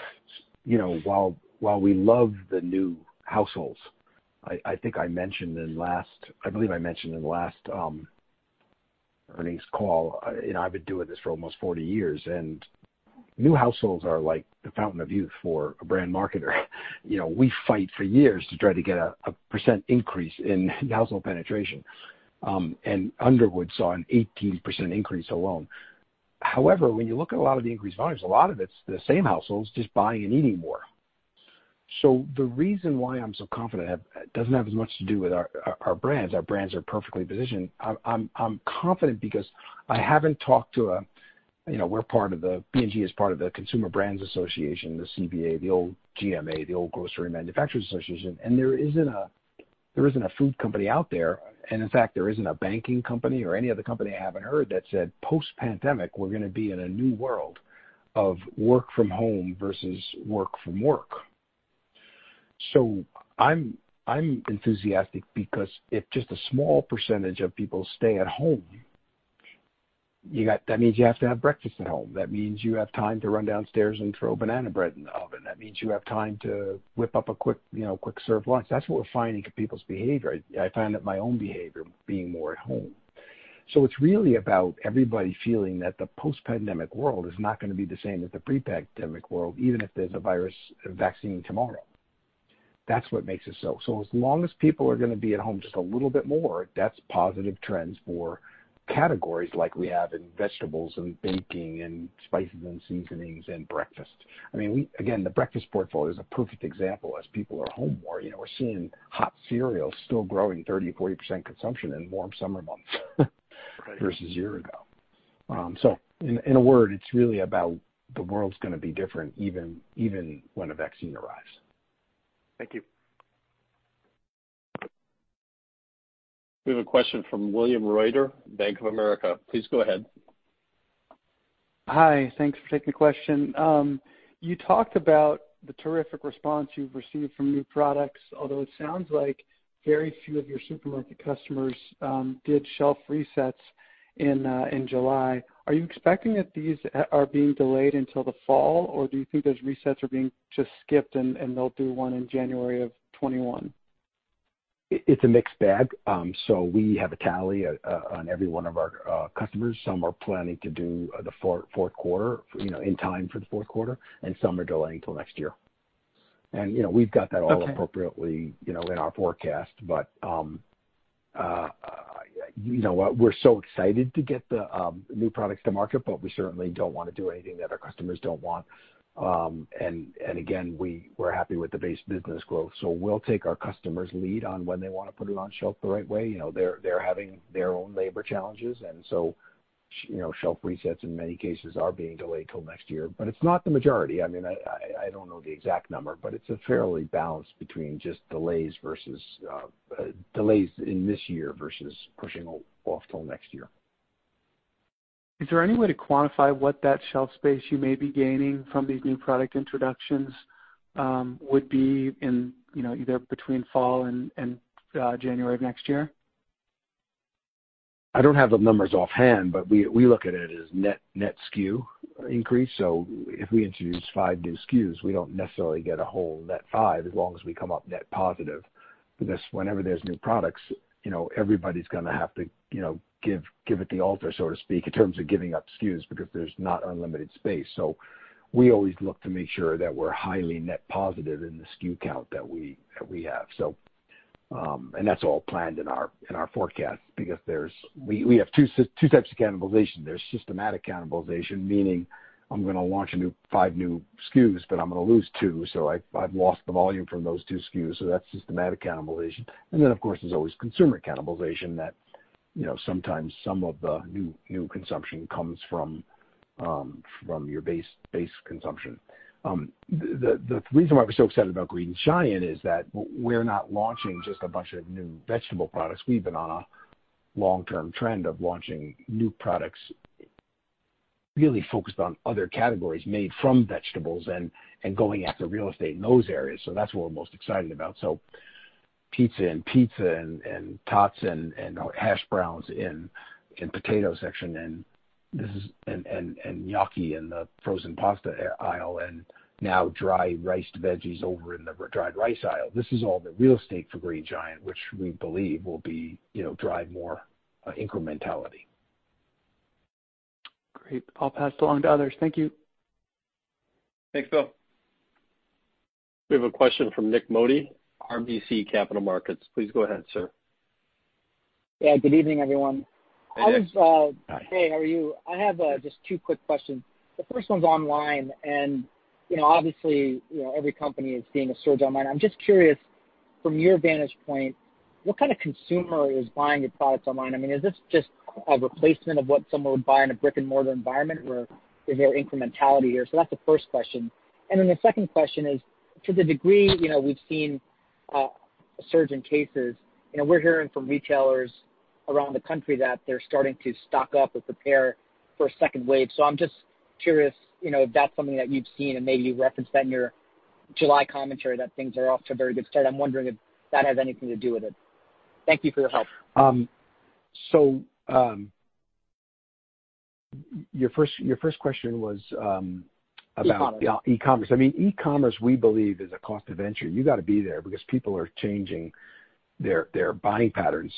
while we love the new households, I believe I mentioned in the last earnings call, I've been doing this for almost 40 years, new households are like the fountain of youth for a brand marketer. We fight for years to try to get a percent increase in household penetration. Underwood saw an 18% increase alone. However, when you look at a lot of the increased volumes, a lot of it's the same households just buying and eating more. The reason why I'm so confident, it doesn't have as much to do with our brands. Our brands are perfectly positioned. I'm confident because I haven't talked to a, you know, B&G is part of the Consumer Brands Association, the CBA, the old GMA, the old Grocery Manufacturers Association. There isn't a food company out there, and in fact, there isn't a banking company or any other company I haven't heard that said post-pandemic, we're going to be in a new world of work from home versus work from work. I'm enthusiastic because if just a small percentage of people stay at home, that means you have to have breakfast at home. That means you have time to run downstairs and throw banana bread in the oven. That means you have time to whip up a quick serve lunch. That's what we're finding in people's behavior. I find that my own behavior being more at home. It's really about everybody feeling that the post-pandemic world is not going to be the same as the pre-pandemic world, even if there's a virus vaccine tomorrow. That's what makes us so. As long as people are going to be at home just a little bit more, that's positive trends for categories like we have in vegetables and baking and spices and seasonings and breakfast. Again, the breakfast portfolio is a perfect example. As people are home more, we're seeing hot cereal still growing 30%-40% consumption in warm summer months versus a year ago. In a word, it's really about the world's going to be different even when a vaccine arrives. Thank you. We have a question from William Reuter, Bank of America. Please go ahead. Hi. Thanks for taking the question. You talked about the terrific response you've received from new products, although it sounds like very few of your supermarket customers did shelf resets in July. Are you expecting that these are being delayed until the fall, or do you think those resets are being just skipped, and they'll do one in January of 2021? It's a mixed bag. We have a tally on every one of our customers. Some are planning to do the fourth quarter, in time for the fourth quarter, and some are delaying till next year. We've got that all- Okay. in our forecast. We're so excited to get the new products to market, but we certainly don't want to do anything that our customers don't want. Again, we're happy with the base business growth. We'll take our customers' lead on when they want to put it on shelf the right way. They're having their own labor challenges, shelf resets in many cases are being delayed till next year. It's not the majority. I don't know the exact number, but it's a fairly balance between just delays in this year versus pushing off till next year. Is there any way to quantify what that shelf space you may be gaining from these new product introductions would be in either between fall and January of next year? I don't have the numbers offhand. We look at it as net SKU increase. If we introduce five new SKUs, we don't necessarily get a whole net five, as long as we come up net positive, because whenever there's new products, everybody's going to have to give it the altar, so to speak, in terms of giving up SKUs, because there's not unlimited space. We always look to make sure that we're highly net positive in the SKU count that we have. That's all planned in our forecast because we have two types of cannibalization. There's systematic cannibalization, meaning I'm going to launch five new SKUs, but I'm going to lose two, so I've lost the volume from those two SKUs. That's systematic cannibalization. Of course, there's always consumer cannibalization that sometimes some of the new consumption comes from your base consumption. The reason why we're so excited about Green Giant is that we're not launching just a bunch of new vegetable products. We've been on a long-term trend of launching new products, really focused on other categories made from vegetables and going after real estate in those areas. That's what we're most excited about. Pizza in pizza and tots and hash browns in potato section and gnocchi in the frozen pasta aisle, and now dry riced veggies over in the dried rice aisle. This is all the real estate for Green Giant, which we believe will drive more incrementality. Great. I'll pass it along to others. Thank you. Thanks, Bill. We have a question from Nik Modi, RBC Capital Markets. Please go ahead, sir. Yeah, good evening, everyone. Hey, Nik. Hi. Hey, how are you? I have just two quick questions. The first one's online, and obviously, every company is seeing a surge online. I'm just curious from your vantage point, what kind of consumer is buying your products online? Is this just a replacement of what someone would buy in a brick-and-mortar environment or is there incrementality here? That's the first question. The second question is, to the degree we've seen a surge in cases, we're hearing from retailers around the country that they're starting to stock up or prepare for a second wave. I'm just curious if that's something that you've seen and maybe you referenced that in your July commentary, that things are off to a very good start. I'm wondering if that has anything to do with it. Thank you for your help. Your first question was about- E-commerce. Yeah, e-commerce. E-commerce, we believe, is a cost of entry. You got to be there because people are changing their buying patterns.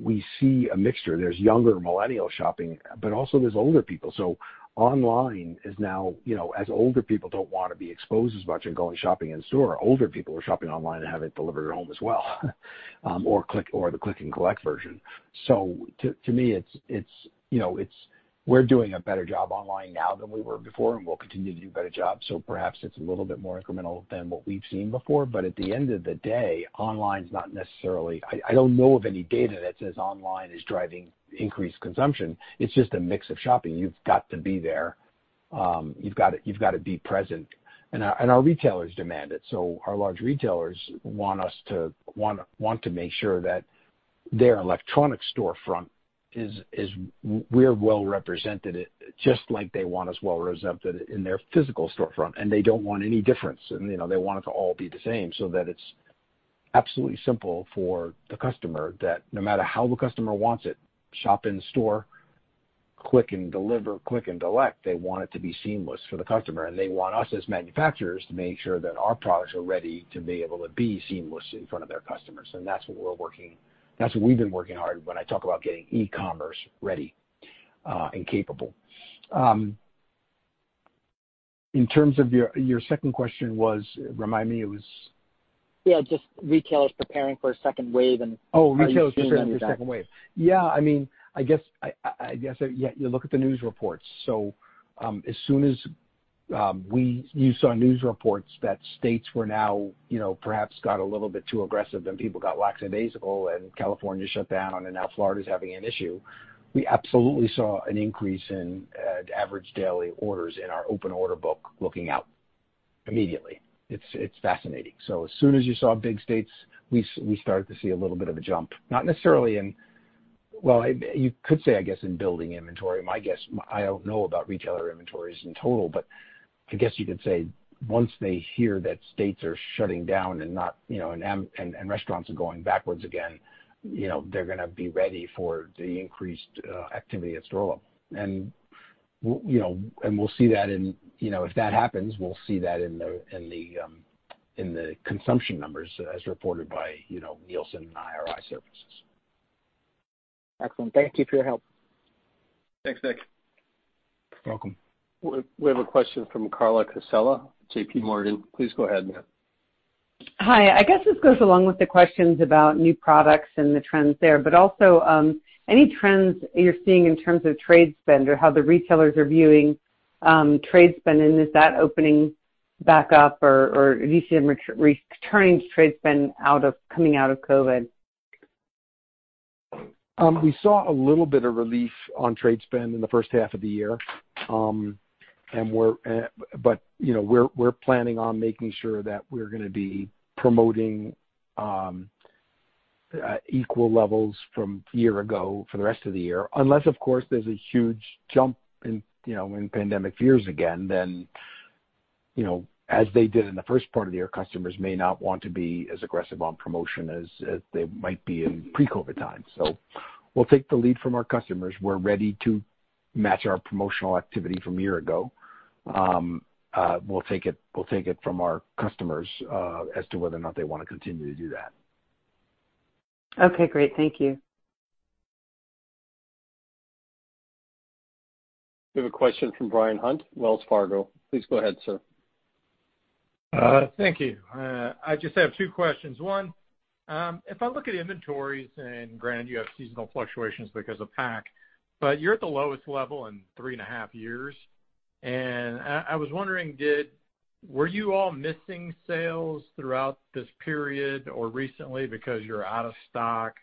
We see a mixture. There's younger millennial shopping, but also there's older people. Online is now, as older people don't want to be exposed as much and going shopping in store, older people are shopping online and have it delivered at home as well. The click and collect version. To me, we're doing a better job online now than we were before, and we'll continue to do a better job. Perhaps it's a little bit more incremental than what we've seen before, but at the end of the day, I don't know of any data that says online is driving increased consumption. It's just a mix of shopping. You've got to be there. You've got to be present. Our retailers demand it. Our large retailers want to make sure that their electronic storefront, we're well-represented it, just like they want us well-represented in their physical storefront. They don't want any difference. They want it to all be the same so that it's absolutely simple for the customer that no matter how the customer wants it, shop in store, click and deliver, click and collect, they want it to be seamless for the customer. They want us, as manufacturers, to make sure that our products are ready to be able to be seamless in front of their customers. That's what we've been working hard when I talk about getting e-commerce ready and capable. In terms of your second question was, remind me, it was? Yeah, just retailers preparing for a second wave and are you seeing any of that? Retailers preparing for a second wave. Yeah, you look at the news reports. As soon as you saw news reports that states were now perhaps got a little bit too aggressive, then people got lackadaisical, and California shut down, and now Florida's having an issue. We absolutely saw an increase in average daily orders in our open order book looking out immediately. It's fascinating. As soon as you saw big states, we started to see a little bit of a jump. Not necessarily in Well, you could say, I guess, in building inventory. I don't know about retailer inventories in total, but I guess you could say once they hear that states are shutting down and restaurants are going backwards again, they're going to be ready for the increased activity at store level. If that happens, we'll see that in the consumption numbers as reported by Nielsen and IRI services. Excellent. Thank you for your help. Thanks, Nik. You're welcome. We have a question from Carla Casella, JPMorgan. Please go ahead, ma'am. Hi. I guess this goes along with the questions about new products and the trends there, but also any trends you're seeing in terms of trade spend or how the retailers are viewing trade spend, and is that opening back up, or do you see them returning to trade spend coming out of COVID? We saw a little bit of relief on trade spend in the first half of the year. We're planning on making sure that we're going to be promoting equal levels from a year ago for the rest of the year. Unless, of course, there's a huge jump in pandemic fears again, then, as they did in the first part of the year, customers may not want to be as aggressive on promotion as they might be in pre-COVID times. We'll take the lead from our customers. We're ready to match our promotional activity from a year ago. We'll take it from our customers as to whether or not they want to continue to do that. Okay, great. Thank you. We have a question from Brian Hunt, Wells Fargo. Please go ahead, sir. Thank you. I just have two questions. One, if I look at inventories, granted you have seasonal fluctuations because of pack, but you're at the lowest level in three and a half years. I was wondering, were you all missing sales throughout this period or recently because you're out of stock?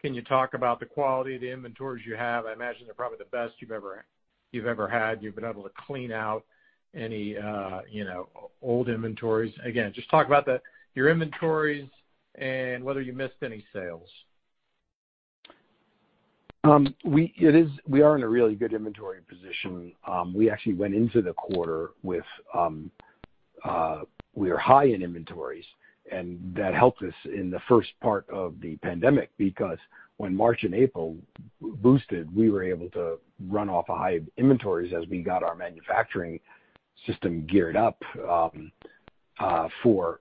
Can you talk about the quality of the inventories you have? I imagine they're probably the best you've ever had. You've been able to clean out any old inventories. Again, just talk about your inventories and whether you missed any sales. We are in a really good inventory position. We actually went into the quarter. We are high in inventories, and that helped us in the first part of the pandemic because when March and April boosted, we were able to run off of high inventories as we got our manufacturing system geared up for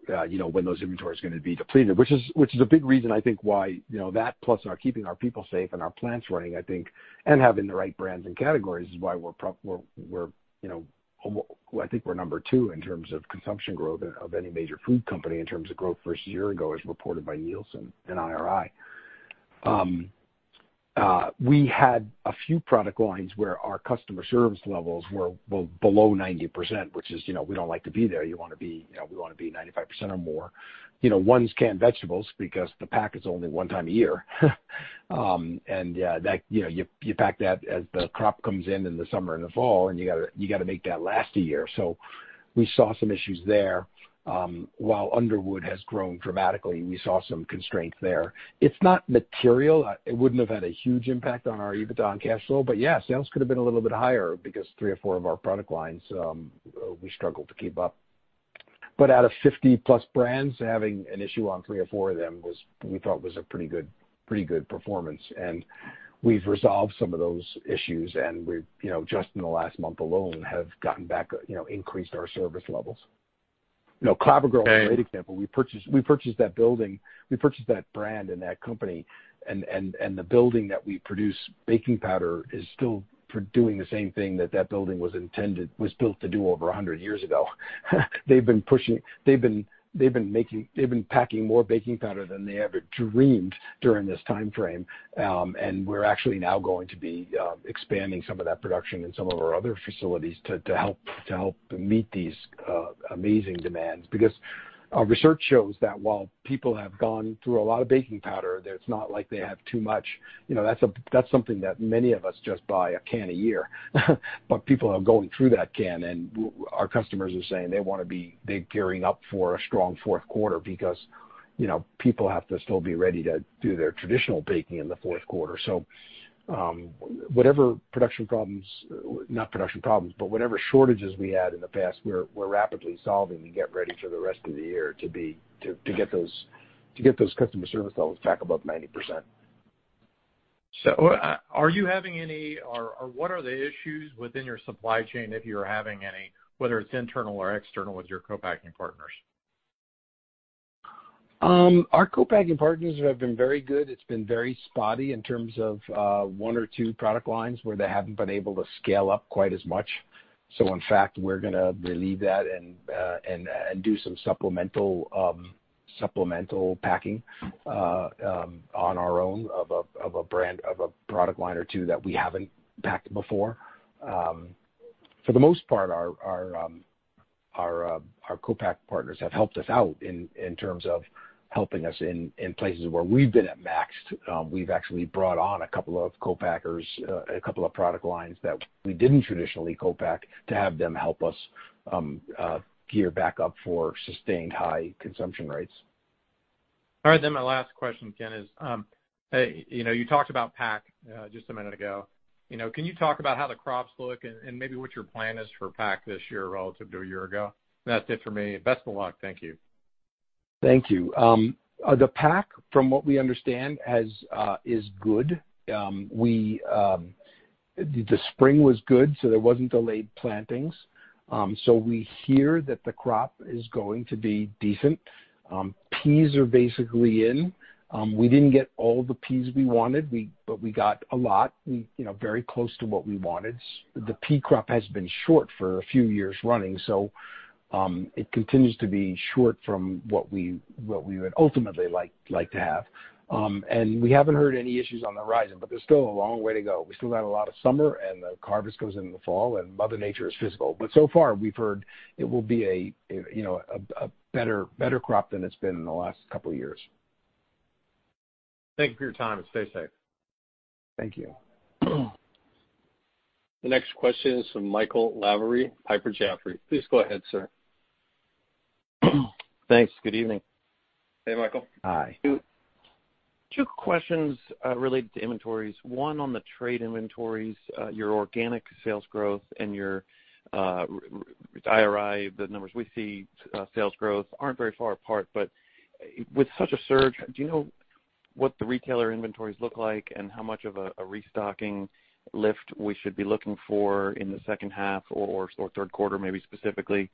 when those inventories are going to be depleted. Which is a big reason I think why that plus our keeping our people safe and our plants running, I think, and having the right brands and categories is why I think we're number two in terms of consumption growth of any major food company in terms of growth versus a year ago, as reported by Nielsen and IRI. We had a few product lines where our customer service levels were below 90%, which is, we don't like to be there. We want to be 95% or more. One's canned vegetables because the pack is only one time a year. You pack that as the crop comes in in the summer and the fall, you got to make that last a year. We saw some issues there. While Underwood has grown dramatically, we saw some constraints there. It's not material. It wouldn't have had a huge impact on our EBITDA and cash flow, yeah, sales could have been a little bit higher because three or four of our product lines, we struggled to keep up. Out of 50 plus brands, having an issue on three or four of them, we thought was a pretty good performance. We've resolved some of those issues, and we've, just in the last month alone, have increased our service levels. Clabber Girl is a great example. We purchased that brand and that company, and the building that we produce baking powder is still doing the same thing that that building was built to do over 100 years ago. They've been packing more baking powder than they ever dreamed during this timeframe. We're actually now going to be expanding some of that production in some of our other facilities to help meet these amazing demands. Our research shows that while people have gone through a lot of baking powder, that it's not like they have too much. That's something that many of us just buy a can a year, but people are going through that can, and our customers are saying they want to be gearing up for a strong fourth quarter because people have to still be ready to do their traditional baking in the fourth quarter. Whatever shortages we had in the past, we're rapidly solving to get ready for the rest of the year to get those customer service levels back above 90%. Are you having any, or what are the issues within your supply chain, if you're having any, whether it's internal or external with your co-packing partners? Our co-packing partners have been very good. It's been very spotty in terms of one or two product lines where they haven't been able to scale up quite as much. In fact, we're going to relieve that and do some supplemental packing on our own of a product line or two that we haven't packed before. For the most part, our co-pack partners have helped us out in terms of helping us in places where we've been at max. We've actually brought on a couple of co-packers, a couple of product lines that we didn't traditionally co-pack to have them help us gear back up for sustained high consumption rates. All right. My last question, Ken, is, you talked about pack just a minute ago. Can you talk about how the crops look and maybe what your plan is for pack this year relative to a year ago? That's it for me. Best of luck. Thank you. Thank you. The pack, from what we understand, is good. The spring was good, there wasn't delayed plantings. We hear that the crop is going to be decent. Peas are basically in. We didn't get all the peas we wanted, but we got a lot, very close to what we wanted. The pea crop has been short for a few years running, so it continues to be short from what we would ultimately like to have. We haven't heard any issues on the horizon, but there's still a long way to go. We still got a lot of summer, and the harvest goes into the fall, and Mother Nature is physical. So far, we've heard it will be a better crop than it's been in the last couple of years. Thank you for your time. Stay safe. Thank you. The next question is from Michael Lavery, Piper Sandler. Please go ahead, sir. Thanks. Good evening. Hey, Michael. Hi. Hi. Two questions related to inventories. One, on the trade inventories, your organic sales growth and your IRI, the numbers we see, sales growth aren't very far apart. With such a surge, do you know what the retailer inventories look like and how much of a restocking lift we should be looking for in the second half or third quarter, maybe specifically?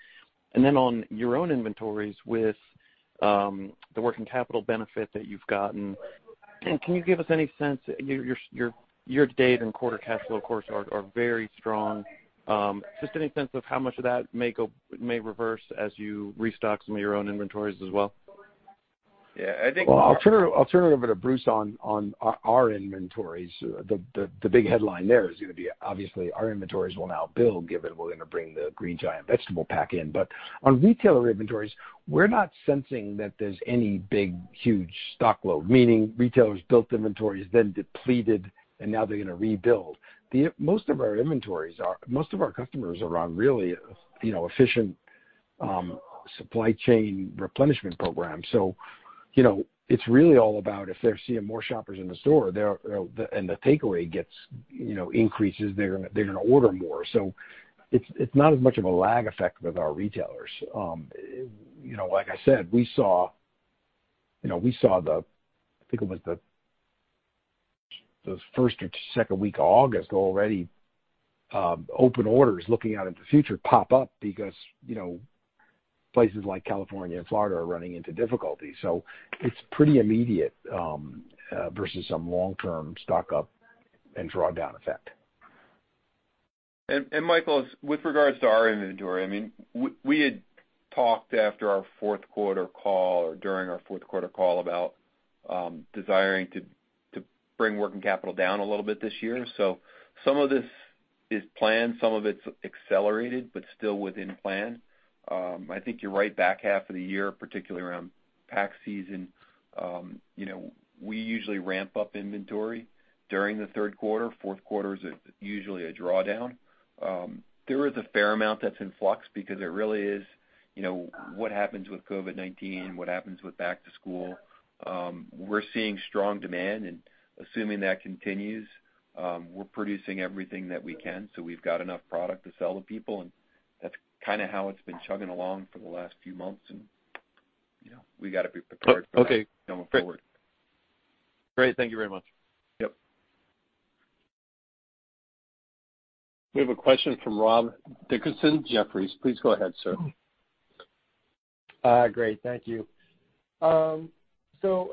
On your own inventories with the working capital benefit that you've gotten, can you give us any sense, your year-to-date and quarter cash flow, of course, are very strong. Just any sense of how much of that may reverse as you restock some of your own inventories as well? Yeah, I think- I'll turn it over to Bruce on our inventories. The big headline there is going to be obviously our inventories will now build given we're going to bring the Green Giant vegetable pack in. On retailer inventories, we're not sensing that there's any big, huge stock load, meaning retailers built inventories, then depleted, and now they're going to rebuild. It's really all about if they're seeing more shoppers in the store, and the takeaway increases, they're going to order more. It's not as much of a lag effect with our retailers. I said, we saw the, I think it was the first or second week of August, already open orders looking out into the future pop up because places like California and Florida are running into difficulty. It's pretty immediate versus some long-term stock-up and drawdown effect. Michael, with regards to our inventory, we had talked after our fourth quarter call or during our fourth quarter call about desiring to bring working capital down a little bit this year. Some of this is planned, some of it's accelerated, but still within plan. I think you're right, back half of the year, particularly around pack season, we usually ramp up inventory during the third quarter. Fourth quarter is usually a drawdown. There is a fair amount that's in flux because it really is what happens with COVID-19, what happens with back to school. We're seeing strong demand, assuming that continues, we're producing everything that we can, we've got enough product to sell to people, that's kind of how it's been chugging along for the last few months, we got to be prepared for that- Okay. going forward. Great. Thank you very much. Yep. We have a question from Rob Dickerson, Jefferies. Please go ahead, sir. Great. Thank you. I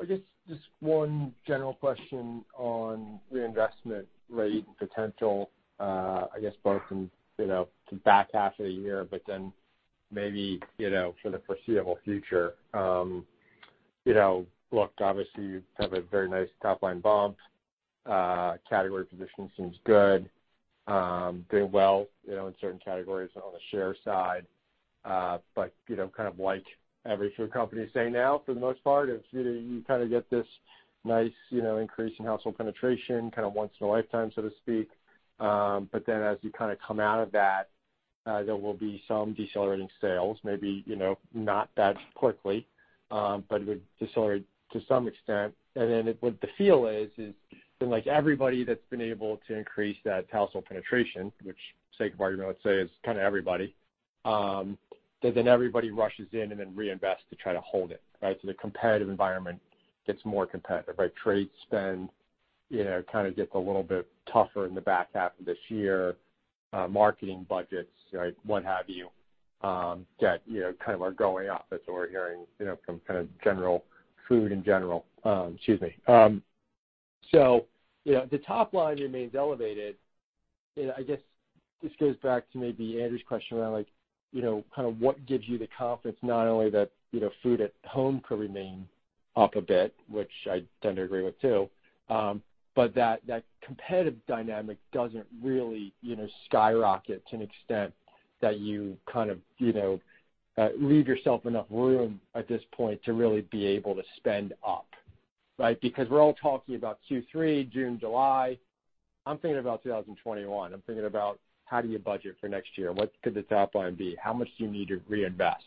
guess just one general question on reinvestment rate and potential, I guess both in the back half of the year, maybe for the foreseeable future. Look, obviously you have a very nice top-line bump. Category position seems good. Doing well in certain categories on the share side. Kind of like every food company is saying now, for the most part, you kind of get this nice increase in household penetration kind of once in a lifetime, so to speak. As you kind of come out of that, there will be some decelerating sales, maybe not that quickly. It would decelerate to some extent. What the feel is, like everybody that's been able to increase that household penetration, which sake of argument, let's say is kind of everybody, that then everybody rushes in and then reinvests to try to hold it. The competitive environment gets more competitive. Trade spend kind of gets a little bit tougher in the back half of this year. Marketing budgets, what have you, that kind of are going up, that's what we're hearing from kind of general food in general. Excuse me. The top line remains elevated. I guess this goes back to maybe Andrew's question around what gives you the confidence, not only that food at home could remain up a bit, which I tend to agree with too, but that competitive dynamic doesn't really skyrocket to an extent that you leave yourself enough room at this point to really be able to spend up. Right? We're all talking about Q3, June, July. I'm thinking about 2021. I'm thinking about how do you budget for next year? What could this top line be? How much do you need to reinvest?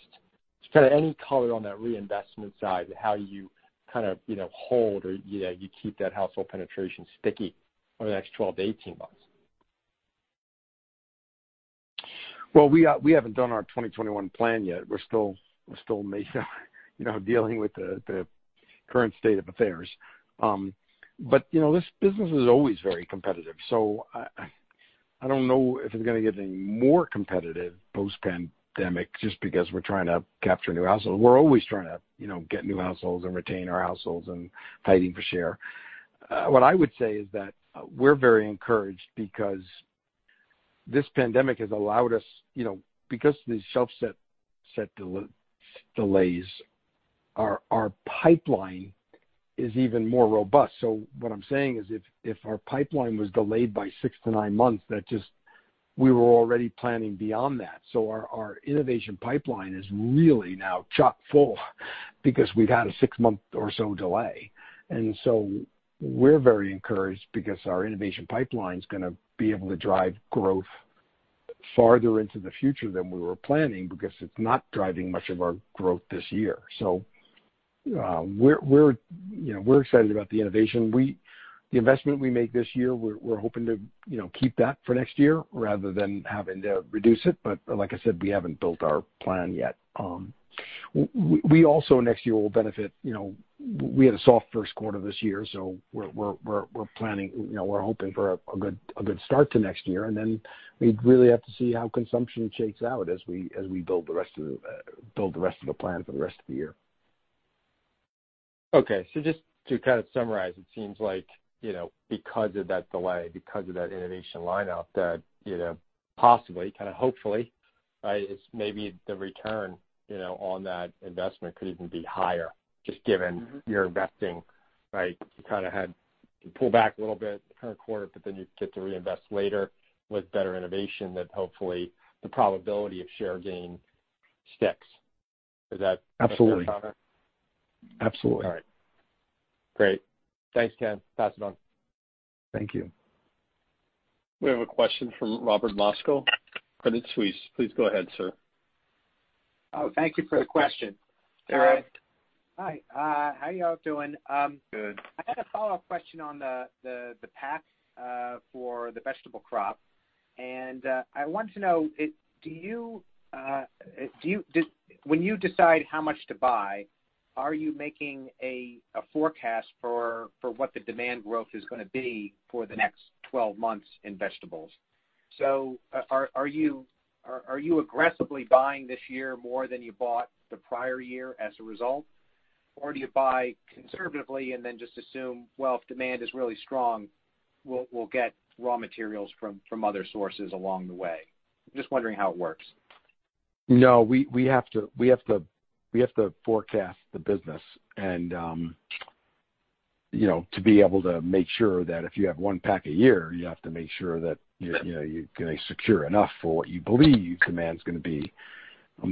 Just any color on that reinvestment side, how you hold or you keep that household penetration sticky over the next 12-18 months. We haven't done our 2021 plan yet. We're still dealing with the current state of affairs. This business is always very competitive. I don't know if it's going to get any more competitive post-pandemic just because we're trying to capture new households. We're always trying to get new households and retain our households and fighting for share. What I would say is that we're very encouraged because this pandemic has allowed us, because these shelf set delays, our pipeline is even more robust. What I'm saying is if our pipeline was delayed by six to nine months, we were already planning beyond that. Our innovation pipeline is really now chock-full because we've had a six-month or so delay. We're very encouraged because our innovation pipeline's going to be able to drive growth farther into the future than we were planning because it's not driving much of our growth this year. We're excited about the innovation. The investment we make this year, we're hoping to keep that for next year rather than having to reduce it. Like I said, we haven't built our plan yet. We also, next year, will benefit. We had a soft first quarter this year, so we're hoping for a good start to next year, and then we'd really have to see how consumption shakes out as we build the rest of the plan for the rest of the year. Okay. Just to summarize, it seems like because of that delay, because of that innovation lineup, that possibly, hopefully, right, maybe the return on that investment could even be higher just given you're investing. Right? You had to pull back a little bit per quarter, but then you get to reinvest later with better innovation that hopefully the probability of share gain sticks. Is that a fair comment? Absolutely. All right. Great. Thanks, Ken. Pass it on. Thank you. We have a question from Robert Moskow, Credit Suisse. Please go ahead, sir. Thank you for the question. Hey, Robert. Hi. How you all doing? Good. I had a follow-up question on the pack for the vegetable crop. I wanted to know, when you decide how much to buy, are you making a forecast for what the demand growth is going to be for the next 12 months in vegetables? Are you aggressively buying this year more than you bought the prior year as a result? Do you buy conservatively and then just assume, well, if demand is really strong, we'll get raw materials from other sources along the way? I'm just wondering how it works. No, we have to forecast the business. To be able to make sure that if you have one pack a year, you have to make sure that you're going to secure enough for what you believe your demand's going to be.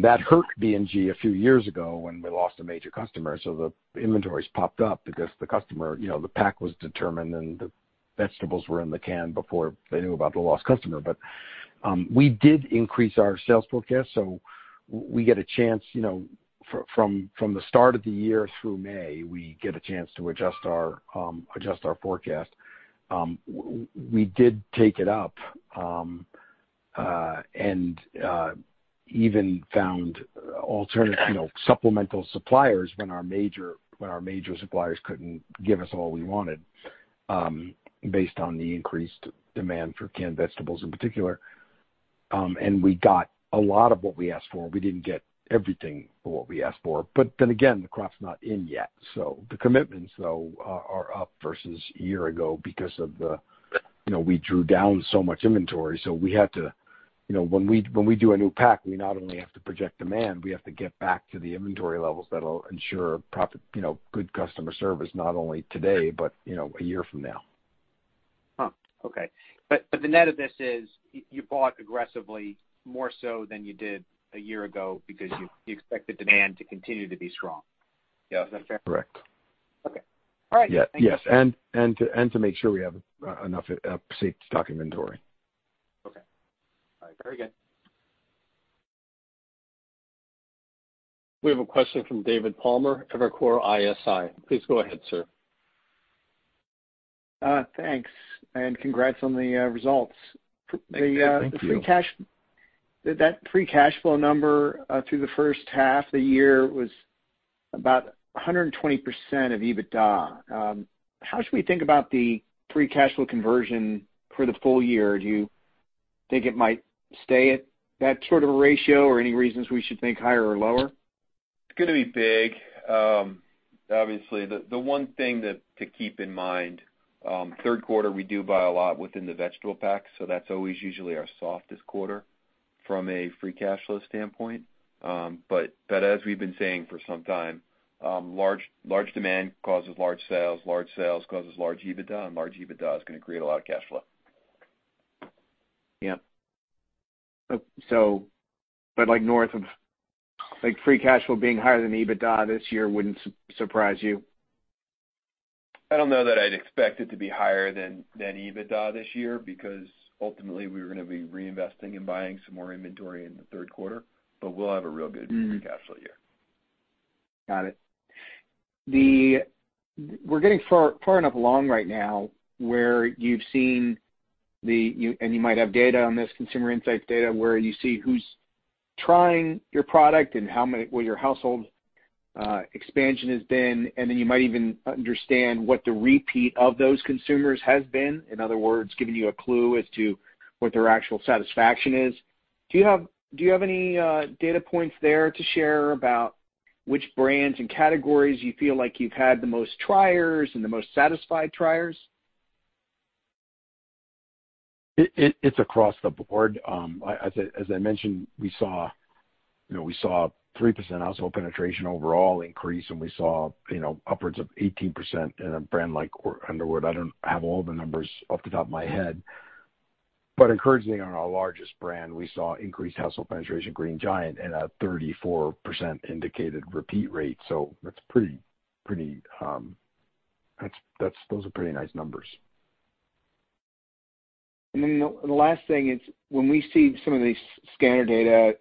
That hurt B&G a few years ago when we lost a major customer. We did increase our sales forecast. From the start of the year through May, we get a chance to adjust our forecast. We did take it up, and even found supplemental suppliers when our major suppliers couldn't give us all we wanted based on the increased demand for canned vegetables in particular. We got a lot of what we asked for. We didn't get everything for what we asked for. Again, the crop's not in yet. The commitments, though, are up versus a year ago because we drew down so much inventory. When we do a new pack, we not only have to project demand, we have to get back to the inventory levels that'll ensure good customer service not only today, but a year from now. Huh, okay. The net of this is you bought aggressively more so than you did a year ago because you expect the demand to continue to be strong. Yeah, is that fair? Correct. Okay. All right. Thank you. Yes. To make sure we have enough safe stock inventory. Okay. All right. Very good. We have a question from David Palmer, Evercore ISI. Please go ahead, sir. Thanks, and congrats on the results. Thank you. That free cash flow number through the first half of the year was about 120% of EBITDA. How should we think about the free cash flow conversion for the full year? Do you think it might stay at that sort of a ratio, or any reasons we should think higher or lower? It's gonna be big. Obviously, the one thing to keep in mind, third quarter, we do buy a lot within the vegetable packs, so that's always usually our softest quarter from a free cash flow standpoint. As we've been saying for some time, large demand causes large sales, large sales causes large EBITDA, and large EBITDA is gonna create a lot of cash flow. Yeah. North of free cash flow being higher than EBITDA this year wouldn't surprise you? I don't know that I'd expect it to be higher than EBITDA this year because ultimately we were gonna be reinvesting and buying some more inventory in the third quarter, but we'll have a real good free cash flow year. Got it. We're getting far enough along right now. You might have data on this, consumer insights data, where you see who's trying your product and how many, where your household expansion has been, and then you might even understand what the repeat of those consumers has been. In other words, giving you a clue as to what their actual satisfaction is. Do you have any data points there to share about which brands and categories you feel like you've had the most triers and the most satisfied triers? It's across the board. As I mentioned, we saw 3% household penetration overall increase, and we saw upwards of 18% in a brand like Underwood. I don't have all the numbers off the top of my head. Encouraging on our largest brand, we saw increased household penetration, Green Giant, and a 34% indicated repeat rate. Those are pretty nice numbers. The last thing is, when we see some of these scanner data,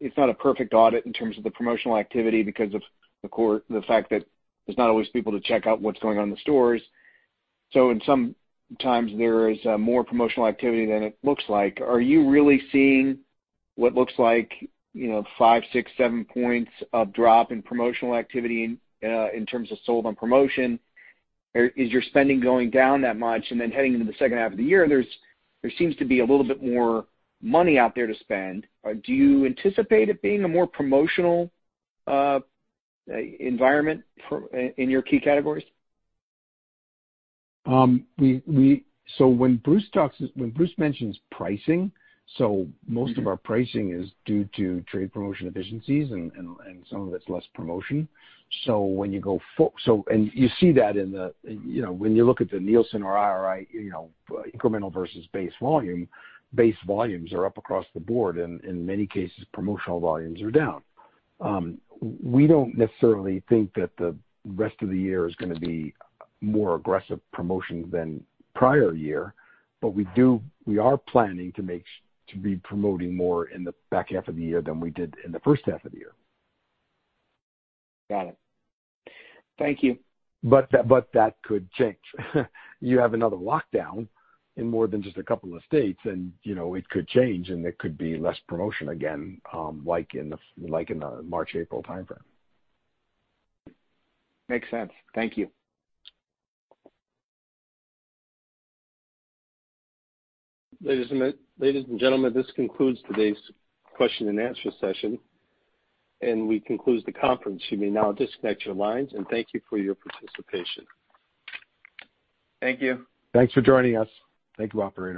it's not a perfect audit in terms of the promotional activity because of the fact that there's not always people to check out what's going on in the stores. Sometimes there is more promotional activity than it looks like. Are you really seeing what looks like five, six, seven points of drop in promotional activity in terms of sold on promotion? Is your spending going down that much? Heading into the second half of the year, there seems to be a little bit more money out there to spend. Do you anticipate it being a more promotional environment in your key categories? When Bruce mentions pricing, most of our pricing is due to trade promotion efficiencies and some of it's less promotion. You see that when you look at the Nielsen or IRI incremental versus base volume, base volumes are up across the board. In many cases, promotional volumes are down. We don't necessarily think that the rest of the year is going to be more aggressive promotions than prior year, but we are planning to be promoting more in the back half of the year than we did in the first half of the year. Got it. Thank you. That could change. You have another lockdown in more than just a couple of states and it could change, and it could be less promotion again, like in the March, April timeframe. Makes sense. Thank you. Ladies and gentlemen, this concludes today's question and answer session, and we conclude the conference. You may now disconnect your lines, and thank you for your participation. Thank you. Thanks for joining us. Thank you, operator.